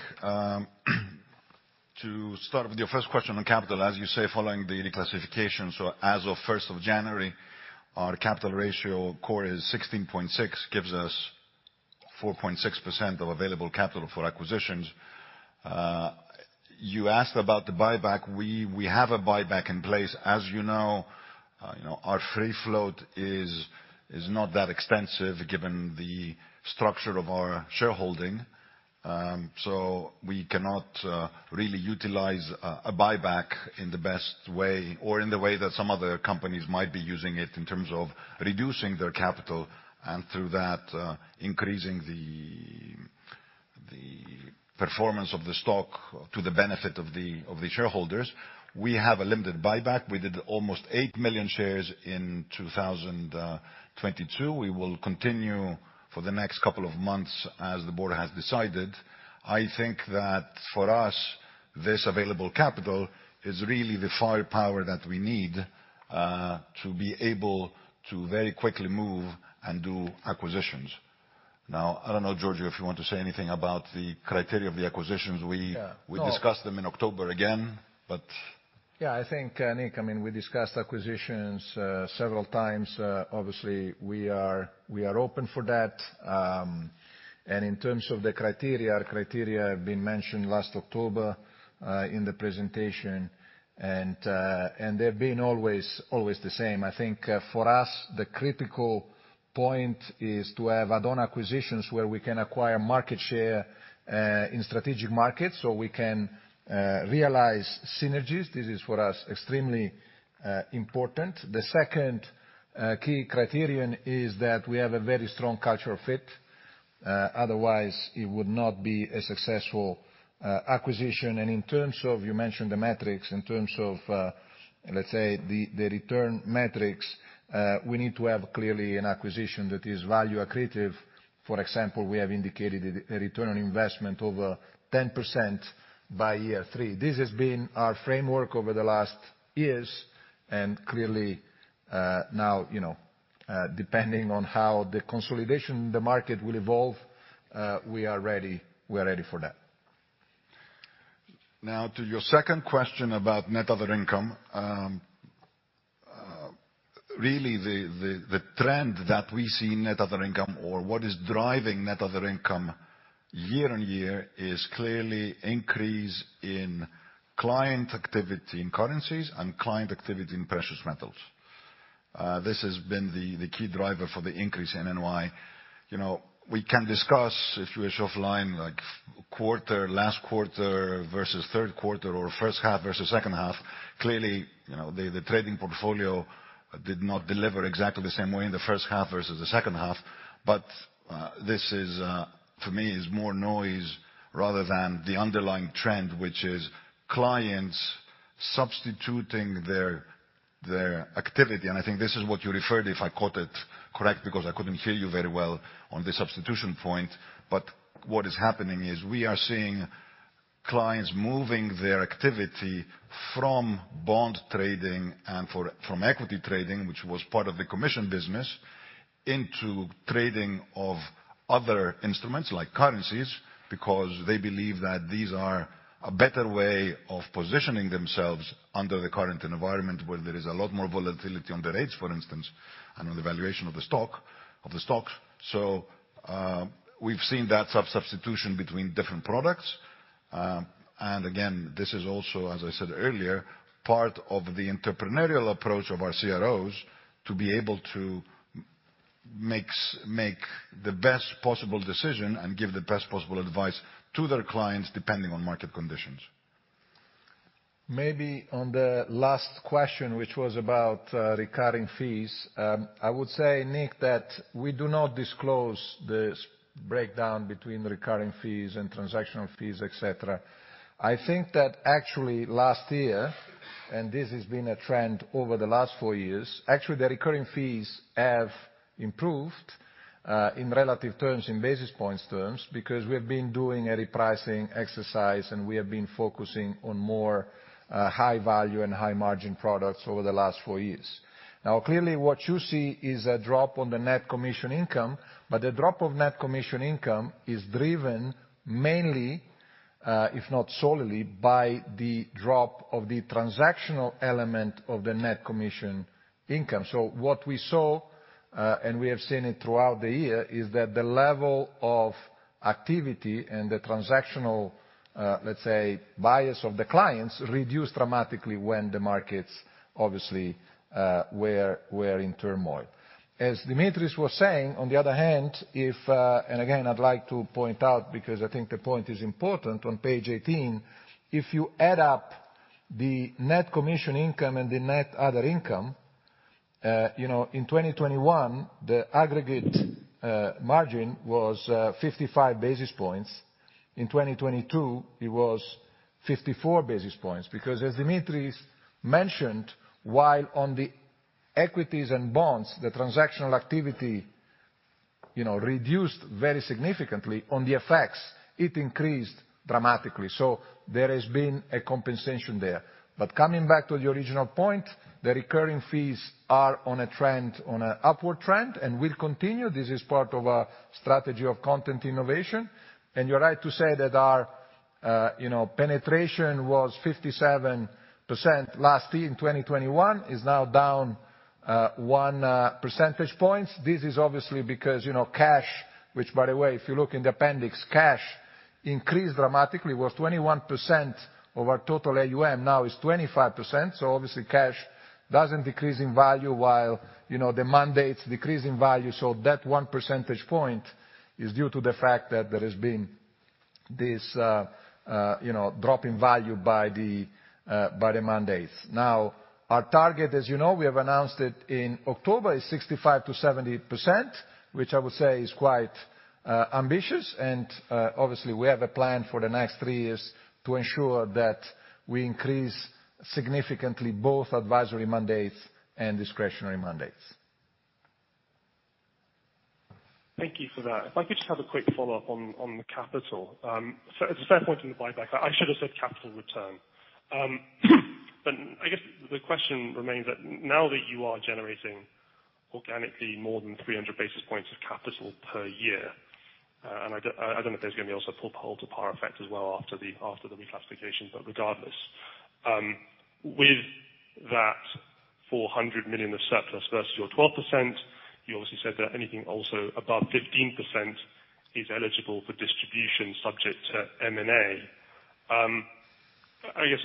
To start with your first question on capital, as you say, following the reclassification, as of 1st of January, our capital ratio core is 16.6, gives us 4.6% of available capital for acquisitions. You asked about the buyback. We have a buyback in place. As you know, you know, our free float is not that extensive given the structure of our shareholding. We cannot really utilize a buyback in the best way or in the way that some other companies might be using it in terms of reducing their capital, through that increasing the performance of the stock to the benefit of the shareholders. We have a limited buyback. We did almost 8 million shares in 2022. We will continue for the next couple of months as the board has decided. I think that for us, this available capital is really the firepower that we need to be able to very quickly move and do acquisitions. I don't know, Giorgio, if you want to say anything about the criteria of the acquisitions. Yeah. We discussed them in October again, but... Yeah, I think, Nick, I mean, we discussed acquisitions several times. Obviously, we are open for that. In terms of the criteria, our criteria have been mentioned last October in the presentation. They've been always the same. I think, for us, the critical point is to have add-on acquisitions where we can acquire market share in strategic markets, so we can realize synergies. This is for us extremely important. The second key criterion is that we have a very strong cultural fit, otherwise it would not be a successful acquisition. In terms of, you mentioned the metrics, in terms of, let's say the return metrics, we need to have clearly an acquisition that is value accretive. For example, we have indicated a return on investment over 10% by year three. This has been our framework over the last years, and clearly, now, you know, depending on how the consolidation in the market will evolve, we are ready for that. Now to your second question about net other income. Really the trend that we see in net other income or what is driving net other income year-on-year is clearly increase in client activity in currencies and client activity in precious metals. This has been the key driver for the increase in NII. You know, we can discuss, if you wish, offline, like quarter, last quarter versus third quarter or first half versus second half. Clearly, you know, the trading portfolio did not deliver exactly the same way in the first half versus the second half. This is for me is more noise rather than the underlying trend, which is clients substituting their activity. I think this is what you referred, if I caught it correct, because I couldn't hear you very well on the substitution point. What is happening is we are seeing clients moving their activity from bond trading and from equity trading, which was part of the commission business, into trading of other instruments like currencies, because they believe that these are a better way of positioning themselves under the current environment where there is a lot more volatility on the rates, for instance, and on the valuation of the stocks. We've seen that substitution between different products. Again, this is also, as I said earlier, part of the entrepreneurial approach of our CROs to be able to make the best possible decision and give the best possible advice to their clients, depending on market conditions. Maybe on the last question, which was about recurring fees, I would say, Nick, that we do not disclose the breakdown between recurring fees and transactional fees, et cetera. I think that actually last year, and this has been a trend over the last four years, actually, the recurring fees have improved in relative terms, in basis points terms, because we've been doing a repricing exercise, and we have been focusing on more high value and high margin products over the last four years. Clearly, what you see is a drop on the net commission income, but the drop of net commission income is driven mainly, if not solely, by the drop of the transactional element of the net commission income. What we saw, and we have seen it throughout the year, is that the level of activity and the transactional, let's say, bias of the clients reduced dramatically when the markets obviously were in turmoil. As Dimitris was saying, on the other hand, if, and again, I'd like to point out because I think the point is important on page 18, if you add up...The net commission income and the net other income, you know, in 2021, the aggregate margin was 55 basis points. In 2022 it was 54 basis points, because as Dimitris mentioned, while on the equities and bonds, the transactional activity, you know, reduced very significantly on the FX, it increased dramatically. There has been a compensation there. Coming back to the original point, the recurring fees are on a trend, on an upward trend and will continue. This is part of our strategy of content innovation. You're right to say that our, you know, penetration was 57% last year in 2021, is now down 1 percentage point. This is obviously because, you know, cash, which by the way, if you look in the appendix, cash increased dramatically, was 21% of our total AUM, now is 25%. Obviously cash doesn't decrease in value while, you know, the mandates decrease in value. That 1 percentage point is due to the fact that there has been this, you know, drop in value by the mandates. Now, our target, as you know, we have announced it in October, is 65%-70%, which I would say is quite ambitious. Obviously we have a plan for the next three years to ensure that we increase significantly both advisory mandates and discretionary mandates. Thank you for that. If I could just have a quick follow-up on the capital. It's a fair point in the buyback, I should have said capital return. I guess the question remains that now that you are generating organically more than 300 basis points of capital per year, and I don't know if there's gonna be also pull to par effect as well after the, after the reclassification. Regardless, with that 400 million of surplus versus your 12%, you obviously said that anything also above 15% is eligible for distribution subject to M&A. I guess.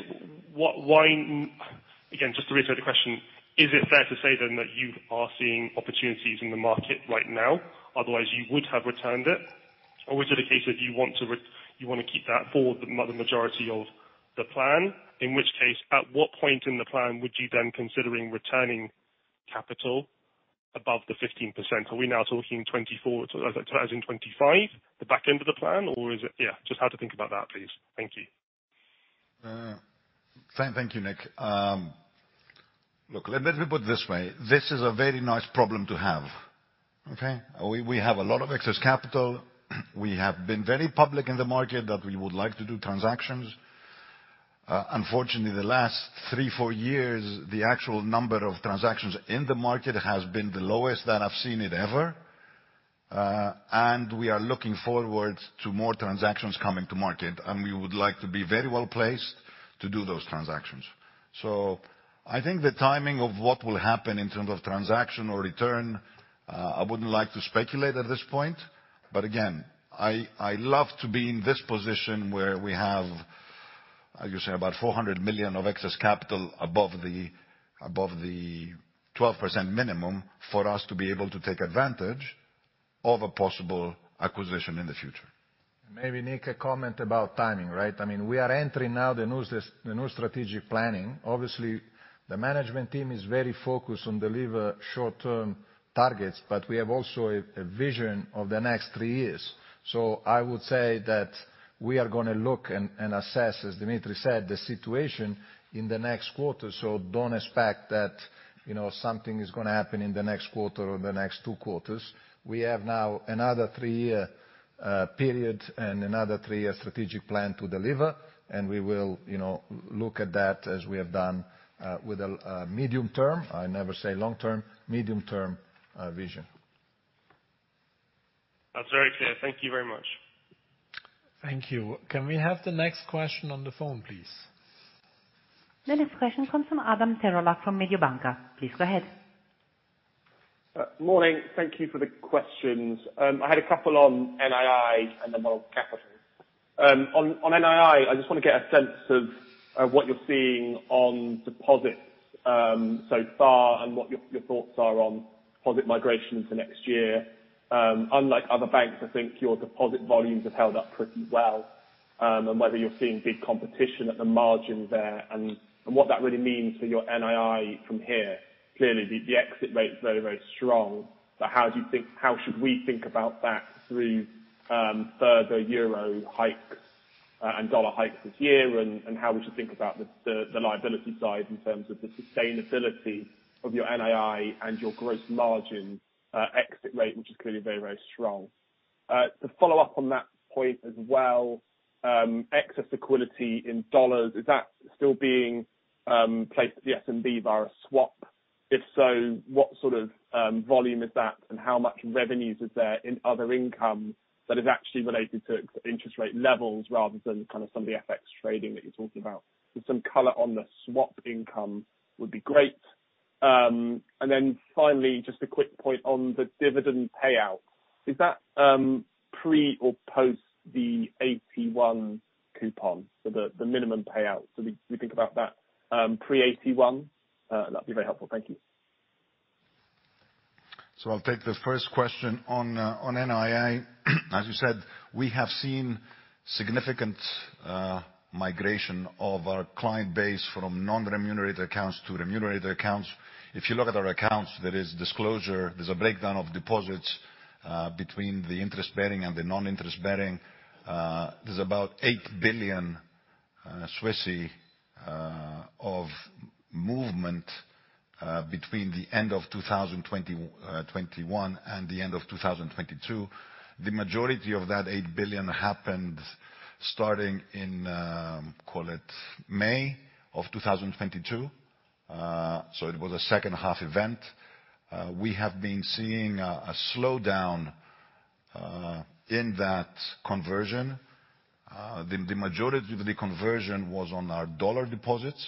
Again, just to reiterate the question, is it fair to say then that you are seeing opportunities in the market right now, otherwise you would have returned it? Is it a case of you wanna keep that for the majority of the plan? In which case, at what point in the plan would you then considering returning capital above the 15%? Are we now talking 2024, as in 2025, the back end of the plan? Is it, yeah, just how to think about that, please. Thank you. Thank you, Nick. Look, let me put it this way. This is a very nice problem to have, okay? We have a lot of excess capital. We have been very public in the market that we would like to do transactions. Unfortunately, the last three, four years, the actual number of transactions in the market has been the lowest that I've seen it ever. We are looking forward to more transactions coming to market, and we would like to be very well placed to do those transactions. I think the timing of what will happen in terms of transaction or return, I wouldn't like to speculate at this point, but again, I love to be in this position where we have, I could say about 400 million of excess capital above the, above the 12% minimum for us to be able to take advantage of a possible acquisition in the future. Maybe Nick, a comment about timing, right? I mean, we are entering now the new strategic planning. Obviously, the management team is very focused on deliver short-term targets, but we have also a vision of the next three years. I would say that we are gonna look and assess, as Dimitris said, the situation in the next quarter. So don't expect that, you know, something is gonna happen in the next quarter or the next two quarters. We have now another three-year period and another three-year strategic plan to deliver, and we will, you know, look at that as we have done with a medium term. I never say long term, medium term vision. That's very clear. Thank you very much. Thank you. Can we have the next question on the phone, please? The next question comes from Adam Terelak from Mediobanca. Please go ahead. Morning. Thank you for the questions. I had couple on NII and then one on capital. On NII, I just wanna get a sense of what you're seeing on deposits so far, and what your thoughts are on deposit migration into next year. Unlike other banks, I think your deposit volumes have held up pretty well, and whether you're seeing big competition at the margin there and what that really means for your NII from here. Clearly the exit rate's very strong. How should we think about that through further euro hikes and dollar hikes this year, and how we should think about the liability side in terms of the sustainability of your NII and your gross margin exit rate, which is clearly very strong. To follow up on that point as well, excess liquidity in dollars, is that still being placed at the SNB via swap? If so, what sort of volume is that and how much revenues is there in other income that is actually related to interest rate levels rather than kind of some of the FX trading that you're talking about? Some color on the swap income would be great. Finally, just a quick point on the dividend payout. Is that pre or post the AT1 coupon, so the minimum payout? Do we think about that pre AT1? That'd be very helpful. Thank you. I'll take the first question on NII. As you said, we have seen significant migration of our client base from non-remunerated accounts to remunerated accounts. If you look at our accounts, there is disclosure. There's a breakdown of deposits between the interest-bearing and the non-interest-bearing. There's about 8 billion Swissy of movement between the end of 2020, 2021 and the end of 2022. The majority of that 8 billion happened starting in, call it May of 2022. It was a second-half event. We have been seeing a slowdown in that conversion. The majority of the conversion was on our dollar deposits.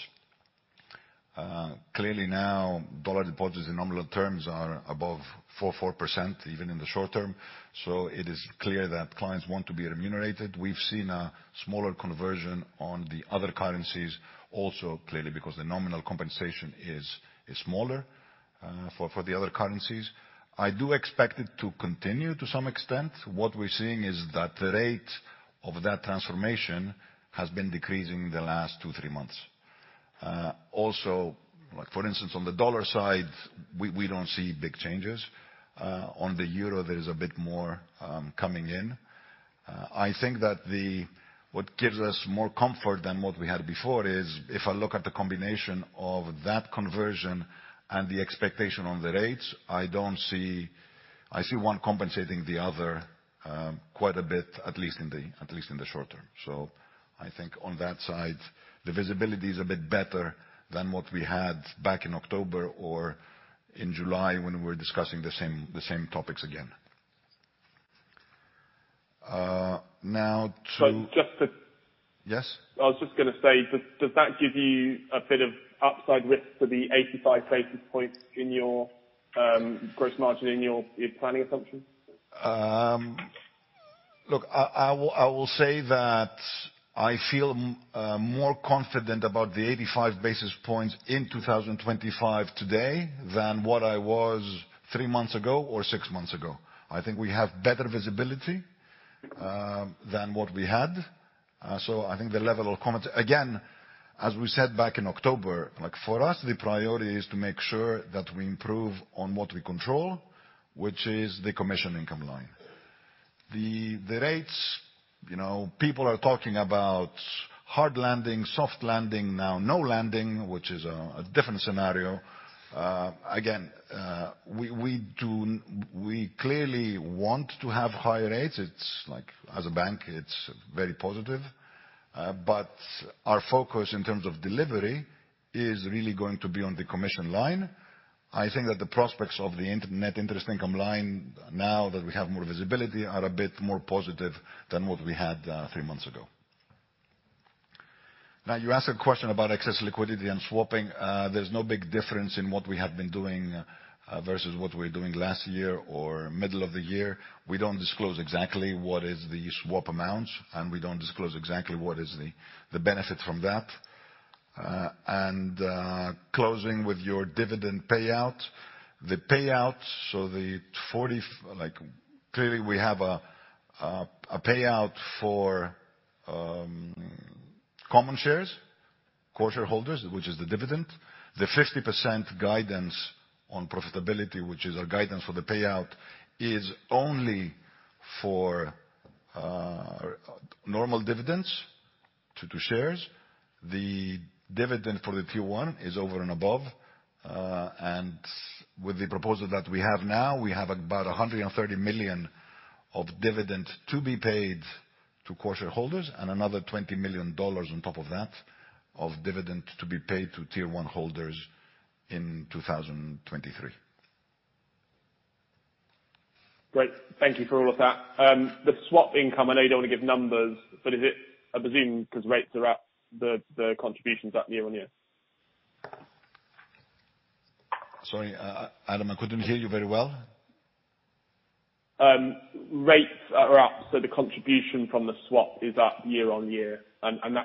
Clearly now dollar deposits in nominal terms are above 4% even in the short term. It is clear that clients want to be remunerated. We've seen a smaller conversion on the other currencies also, clearly because the nominal compensation is smaller for the other currencies. I do expect it to continue to some extent. What we're seeing is that the rate of that transformation has been decreasing the last two, three months. Like for instance, on the dollar side, we don't see big changes. On the euro there is a bit more coming in. I think that what gives us more comfort than what we had before is if I look at the combination of that conversion and the expectation on the rates, I don't see... I see one compensating the other, quite a bit, at least in the short term. I think on that side, the visibility is a bit better than what we had back in October or in July when we were discussing the same topics again. Now. But just to- Yes? I was just gonna say, does that give you a bit of upside risk for the 85 basis points in your gross margin in your planning assumption? Look, I will say that I feel more confident about the 85 basis points in 2025 today than what I was three months ago or six months ago. I think we have better visibility than what we had. I think the level of confidence. Again, as we said back in October, like, for us, the priority is to make sure that we improve on what we control, which is the commission income line. The rates, you know, people are talking about hard landing, soft landing, now no landing, which is a different scenario. Again, we clearly want to have higher rates. It's like, as a bank, it's very positive. Our focus in terms of delivery is really going to be on the commission line. I think that the prospects of the net interest income line, now that we have more visibility, are a bit more positive than what we had, three months ago. You asked a question about excess liquidity and swapping. There's no big difference in what we had been doing, versus what we're doing last year or middle of the year. We don't disclose exactly what is the swap amounts, and we don't disclose exactly what is the benefit from that. Closing with your dividend payout. The payout. Like, clearly we have a payout for common shares, core shareholders, which is the dividend. The 50% guidance on profitability, which is our guidance for the payout, is only for normal dividends to shares. The dividend for the tier 1 is over and above. With the proposal that we have now, we have about $130 million of dividend to be paid to core shareholders and another $20 million on top of that of dividend to be paid to tier 1 holders in 2023. Great. Thank you for all of that. The swap income, I know you don't want to give numbers, but is it, I presume, 'cause rates are up, the contribution's up year-on-year? Sorry, Adam, I couldn't hear you very well. Rates are up, so the contribution from the swap is up year on year. That's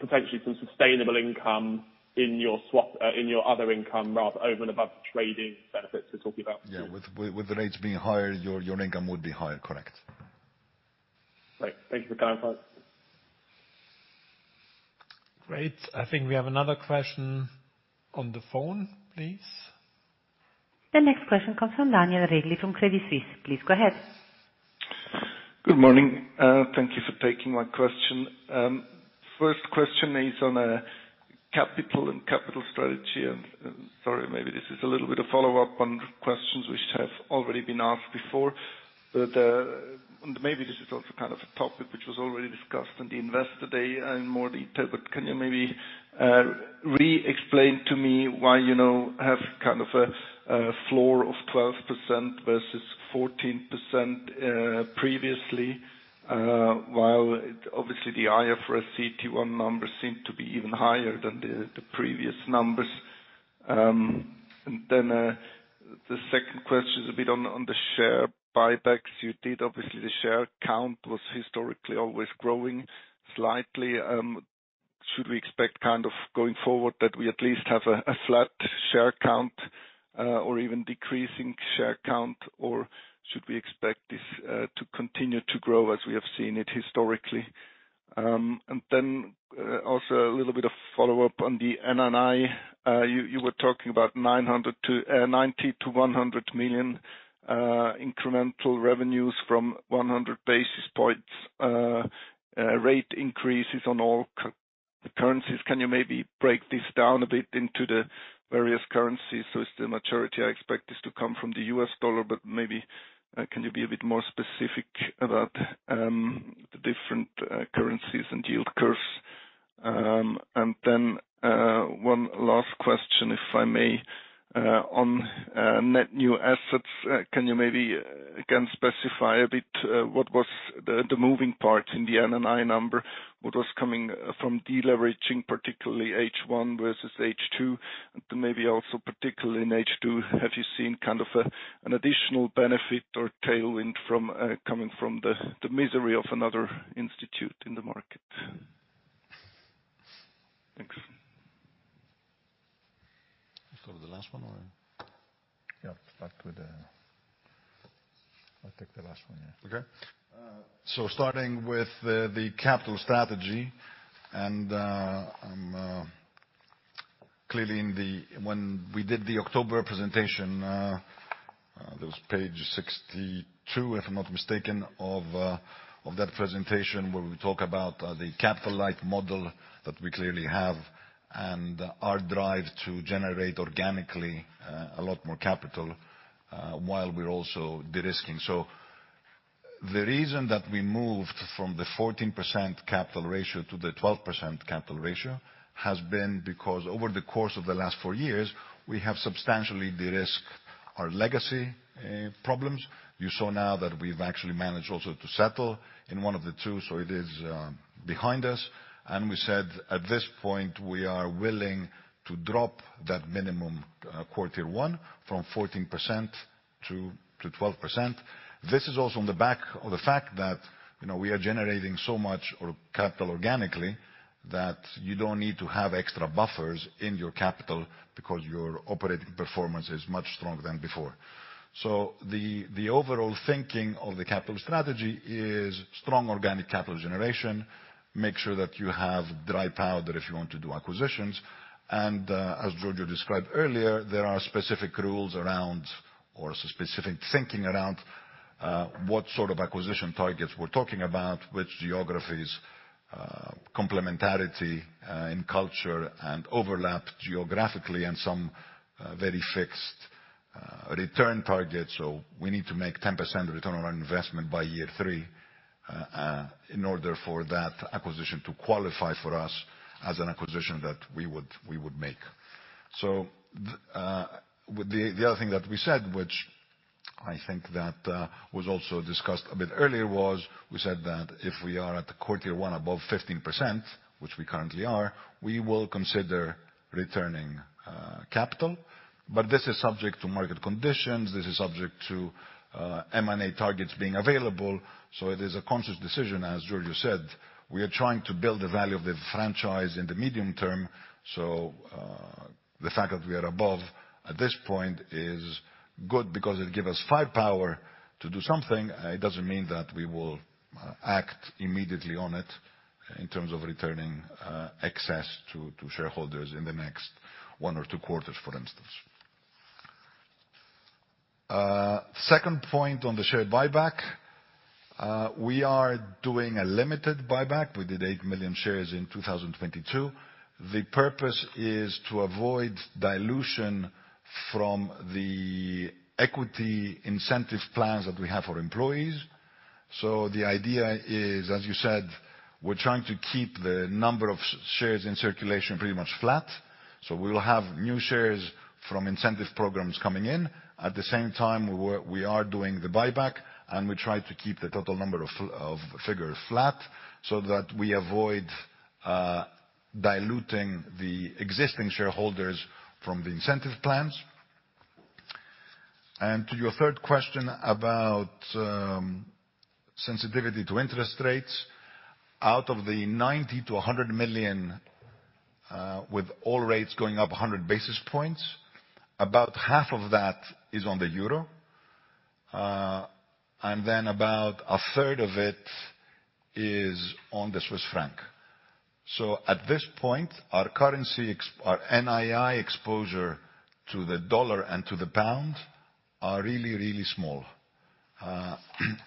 potentially some sustainable income in your swap, in your other income rather, over and above the trading benefits you're talking about. Yeah. With the rates being higher, your income would be higher, correct. Great. Thank you for clarifying. Great. I think we have another question on the phone, please. The next question comes from Daniel Regli from Credit Suisse. Please go ahead. Good morning. Thank you for taking my question. First question is on capital and capital strategy. Sorry, maybe this is a little bit of follow-up on questions which have already been asked before. Maybe this is also kind of a topic which was already discussed in the investor day in more detail, but can you maybe re-explain to me why, you know, have kind of a floor of 12% versus 14% previously, while obviously the IFRS CET1 numbers seem to be even higher than the previous numbers. The second question is a bit on the share buybacks. You did obviously the share count was historically always growing slightly. Should we expect kind of going forward that we at least have a flat share count, or even decreasing share count? Should we expect this to continue to grow as we have seen it historically? Also a little bit of follow-up on the NNA. You were talking about 90-100 million incremental revenues from 100 basis points rate increases on all currencies. Can you maybe break this down a bit into the various currencies? It's the maturity, I expect this to come from the US dollar, but maybe can you be a bit more specific about the different currencies and yield curves? One last question, if I may, on net new assets: Can you maybe again specify a bit what was the moving parts in the NNA number? What was coming from deleveraging, particularly H1 versus H2? Maybe also particularly in H2, have you seen kind of a, an additional benefit or tailwind from coming from the misery of another institute in the market? Thanks. You cover the last one or I? Yeah. If I could, I'll take the last one, yeah. Okay. Starting with the capital strategy. When we did the October presentation, that was page 62, if I'm not mistaken, of that presentation where we talk about the capital light model that we clearly have and our drive to generate organically a lot more capital while we're also de-risking. The reason that we moved from the 14% capital ratio to the 12% capital ratio has been because over the course of the last four years, we have substantially de-risked our legacy problems. You saw now that we've actually managed also to settle in one of the two, so it is behind us. We said at this point, we are willing to drop that minimum tier 1 from 14% to 12%. This is also on the back of the fact that, you know, we are generating so much or capital organically that you don't need to have extra buffers in your capital because your operating performance is much stronger than before. The overall thinking of the capital strategy is strong organic capital generation, make sure that you have dry powder if you want to do acquisitions. As Giorgio described earlier, there are specific rules around or specific thinking around what sort of acquisition targets we're talking about, which geographies, complementarity in culture and overlap geographically and some very fixed return targets. We need to make 10% return on investment by year three in order for that acquisition to qualify for us as an acquisition that we would make. The other thing that we said, which I think that was also discussed a bit earlier, was we said that if we are at the quarter one above 15%, which we currently are, we will consider returning capital. This is subject to market conditions. This is subject to M&A targets being available. It is a conscious decision, as Giorgio said, we are trying to build the value of the franchise in the medium term. The fact that we are above at this point is good because it'll give us firepower to do something. It doesn't mean that we will act immediately on it in terms of returning excess to shareholders in the next one or two quarters, for instance. Second point on the share buyback, we are doing a limited buyback. We did 8 million shares in 2022. The purpose is to avoid dilution from the equity incentive plans that we have for employees. The idea is, as you said, we're trying to keep the number of shares in circulation pretty much flat. We will have new shares from incentive programs coming in. At the same time, we are doing the buyback, and we try to keep the total number of figure flat so that we avoid diluting the existing shareholders from the incentive plans. To your third question about sensitivity to interest rates. Out of the 90-100 million, with all rates going up 100 basis points, about half of that is on the euro, and then about a third of it is on the Swiss franc. At this point, our currency. Our NII exposure to the dollar and to the pound are really, really small.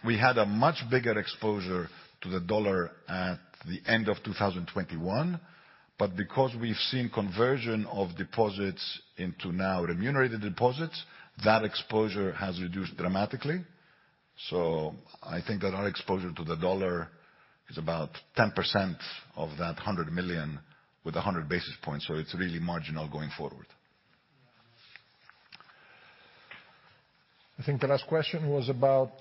We had a much bigger exposure to the dollar at the end of 2021, because we've seen conversion of deposits into now remunerated deposits, that exposure has reduced dramatically. I think that our exposure to the dollar is about 10% of that CHF q100 million with 100 basis points. It's really marginal going forward. I think the last question was about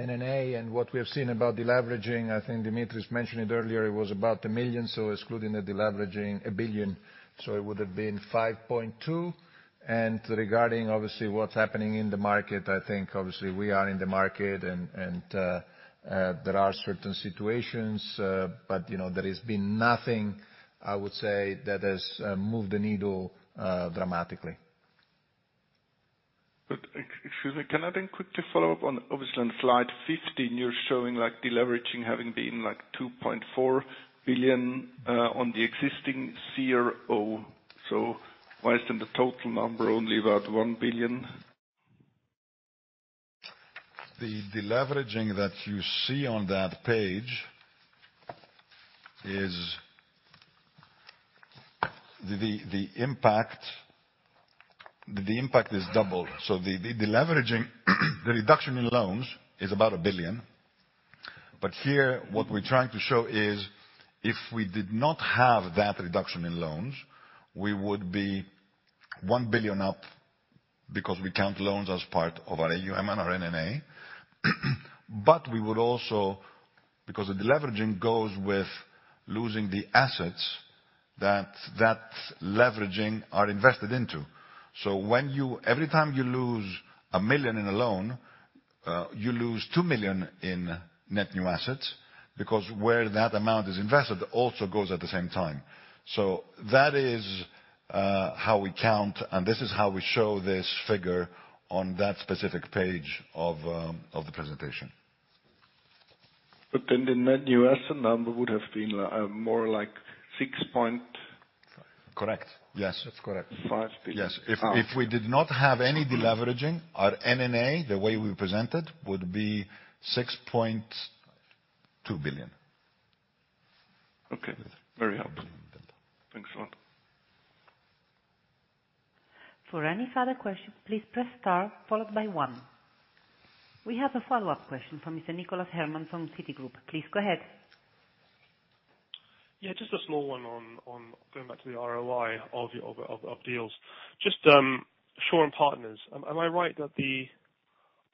NNA and what we have seen about deleveraging. I think Dimitris mentioned it earlier. It was about 1 million, so excluding the deleveraging, 1 billion, so it would have been 5.2 billion. Regarding obviously what's happening in the market, I think obviously we are in the market and there are certain situations, but, you know, there has been nothing, I would say, that has moved the needle dramatically. Excuse me, can I then quickly follow up on, obviously, on slide 15, you're showing like deleveraging having been like 2.4 billion on the existing CRO. Why isn't the total number only about 1 billion? The deleveraging that you see on that page is the impact, the impact is double. The deleveraging, the reduction in loans is about 1 billion. Here, what we're trying to show is if we did not have that reduction in loans, we would be 1 billion up because we count loans as part of our AUM and our NNA. We would also because the deleveraging goes with losing the assets that that leveraging are invested into. When every time you lose 1 million in a loan, you lose 2 million in net new assets, because where that amount is invested also goes at the same time. That is how we count, and this is how we show this figure on that specific page of the presentation. The net new asset number would have been more like 6 point-. Correct. Yes. That's correct. 5 billion. Yes. If we did not have any deleveraging, our NNA, the way we present it, would be 6.2 billion. Okay. Very helpful. Thanks a lot. For any further questions, please press star followed by one. We have a follow-up question from Mr. Nicholas Herman from Citigroup. Please go ahead. Yeah. Just a small one on going back to the ROI of the deals. Shaw and Partners, am I right that the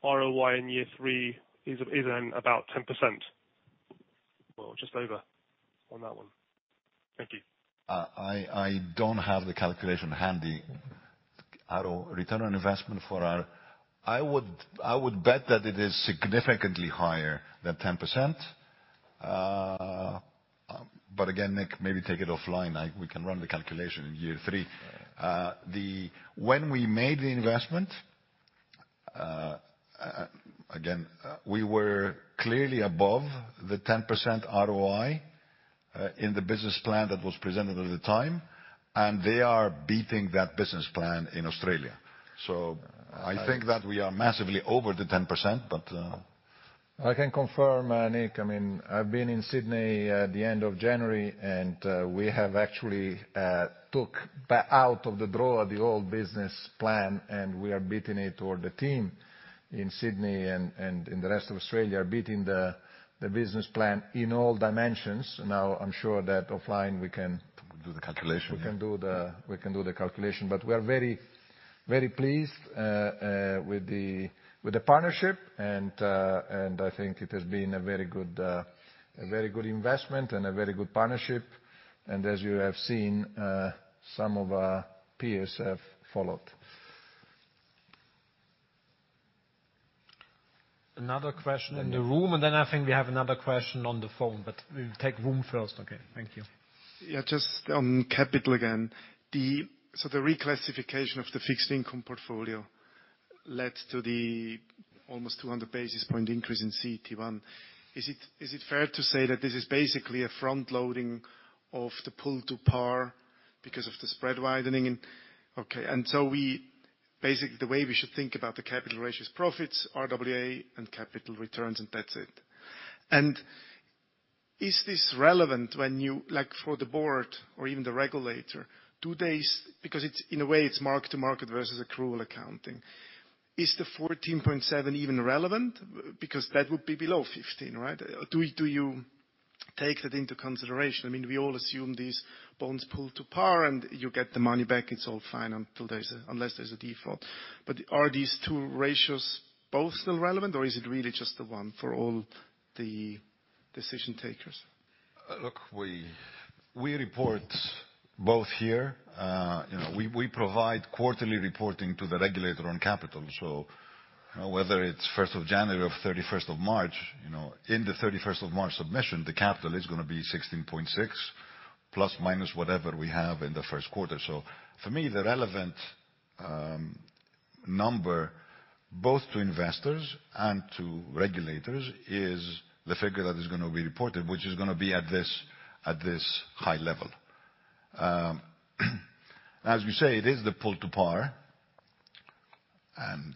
ROI in year three is about 10%? Well, just over on that one. Thank you. I don't have the calculation handy. Return on investment. I would, I would bet that it is significantly higher than 10%. Again, Nick, maybe take it offline. We can run the calculation in year three. When we made the investment, again, we were clearly above the 10% ROI, in the business plan that was presented at the time, and they are beating that business plan in Australia. I think that we are massively over the 10%, but. I can confirm, Nick, I mean, I've been in Sydney at the end of January, and we have actually took out of the drawer the old business plan, and we are beating it, or the team in Sydney and in the rest of Australia are beating the business plan in all dimensions. I'm sure that offline we. Do the calculation. We can do the calculation. We are very, very pleased with the partnership and I think it has been a very good investment and a very good partnership. As you have seen, some of our peers have followed. Another question in the room, and then I think we have another question on the phone, but we'll take room first. Okay. Thank you. Yeah, just on capital again. So the reclassification of the fixed income portfolio led to the almost 200 basis point increase in CET1. Is it fair to say that this is basically a front-loading of the pull to par because of the spread widening? We, basically, the way we should think about the capital ratios profits, RWA and capital returns, and that's it. Is this relevant when you like, for the board or even the regulator, two days, because it's, in a way, it's market to market versus accrual accounting. Is the 14.7 even relevant? Because that would be below 15, right? Do you take that into consideration? I mean, we all assume these bonds pull to par and you get the money back, it's all fine unless there's a default. Are these two ratios both still relevant, or is it really just the one for all the decision makers? Look, we report both here. You know, we provide quarterly reporting to the regulator on capital. You know, whether it's first of January or 31st of March, you know, in the 31st of March submission, the capital is gonna be 16.6% plus minus whatever we have in the first quarter. For me, the relevant number, both to investors and to regulators, is the figure that is gonna be reported, which is gonna be at this high level. As you say, it is the pull to par.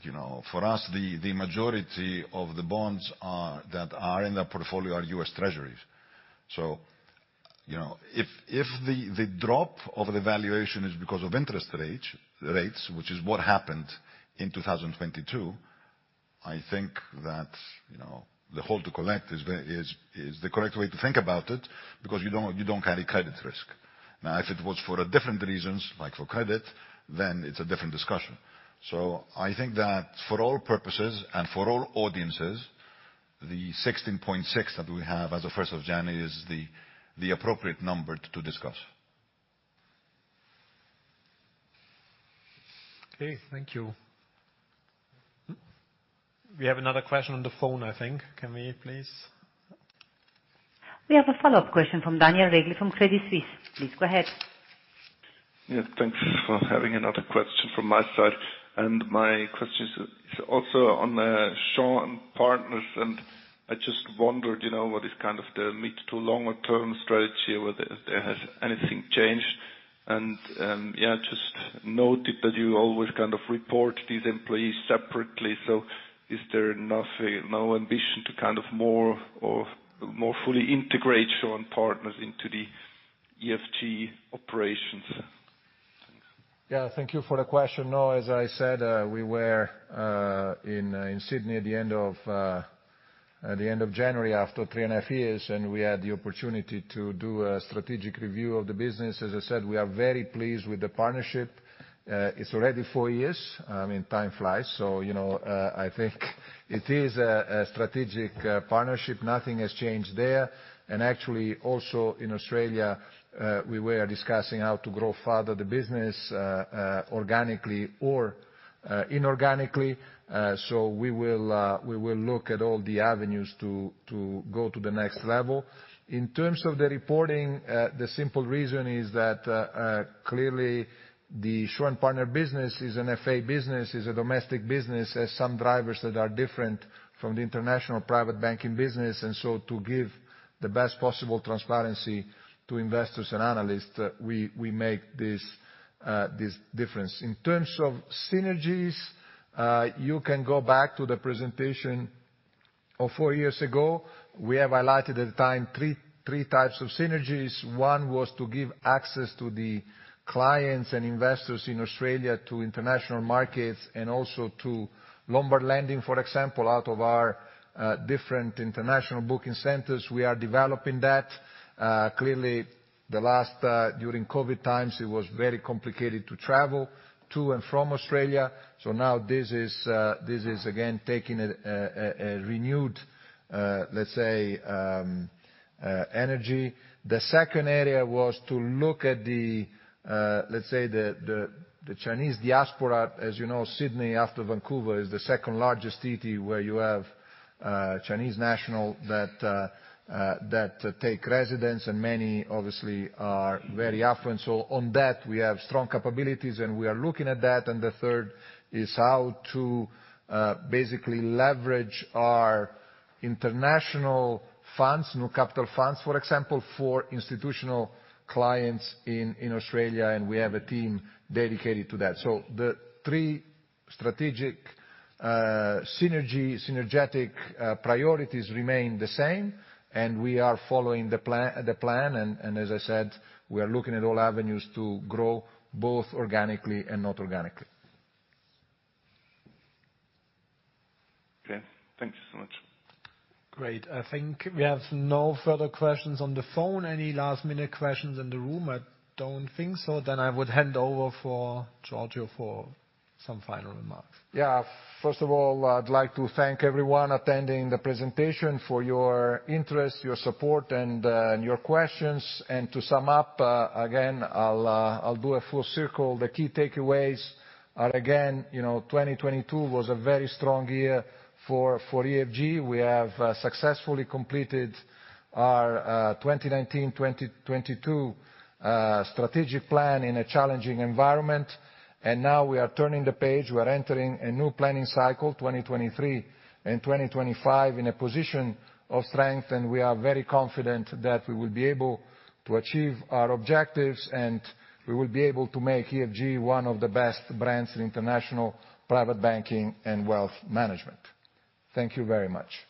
You know, for us, the majority of the bonds that are in the portfolio are US Treasuries. You know, if the drop of the valuation is because of interest rates, which is what happened in 2022, I think that, you know, the hold to collect is the correct way to think about it because you don't carry credit risk. If it was for a different reasons, like for credit, then it's a different discussion. I think that for all purposes and for all audiences, the 16.6 that we have as of 1st of January is the appropriate number to discuss. Okay. Thank you. We have another question on the phone, I think. Can we please? We have a follow-up question from Daniel Regli from Credit Suisse. Please go ahead. Yeah, thanks for having another question from my side. My question is also on Shaw and Partners, and I just wondered, you know, what is kind of the mid to longer term strategy, whether if there has anything changed? Yeah, just noted that you always kind of report these employees separately. Is there nothing, no ambition to kind of more fully integrate Shaw and Partners into the EFG operations? Yeah, thank you for the question. No, as I said, we were in Sydney at the end of January after 3.5 Years. We had the opportunity to do a strategic review of the business. As I said, we are very pleased with the partnership. It's already four years. I mean, time flies. You know, I think it is a strategic partnership. Nothing has changed there. Actually, also in Australia, we were discussing how to grow further the business organically or inorganically. We will look at all the avenues to go to the next level. In terms of the reporting, the simple reason is that clearly the Shaw and Partners business is an FA business, is a domestic business, has some drivers that are different from the international private banking business. To give the best possible transparency to investors and analysts, we make this difference. In terms of synergies, you can go back to the presentation of four years ago. We have highlighted at the time three types of synergies. One was to give access to the clients and investors in Australia to international markets and also to Lombard lending, for example, out of our different international booking centers. We are developing that. Clearly the last during COVID times, it was very complicated to travel to and from Australia. Now this is again taking a renewed, let's say, energy. The second area was to look at the, let's say the Chinese diaspora. As you know, Sydney after Vancouver is the second-largest city where you have Chinese national that take residence, and many obviously are very affluent. On that, we have strong capabilities, and we are looking at that. The third is how to basically leverage our international funds, New Capital funds, for example, for institutional clients in Australia, and we have a team dedicated to that. The three strategic, synergetic priorities remain the same, and we are following the plan, and as I said, we are looking at all avenues to grow both organically and not organically. Okay. Thank you so much. Great. I think we have no further questions on the phone. Any last-minute questions in the room? I don't think so. I would hand over for Giorgio for some final remarks. First of all, I'd like to thank everyone attending the presentation for your interest, your support and your questions. To sum up, again, I'll do a full circle. The key takeaways are, again, you know, 2022 was a very strong year for EFG. We have successfully completed our 2019, 2022 strategic plan in a challenging environment. Now we are turning the page. We are entering a new planning cycle, 2023 and 2025, in a position of strength, and we are very confident that we will be able to achieve our objectives, and we will be able to make EFG one of the best brands in international private banking and wealth management. Thank you very much.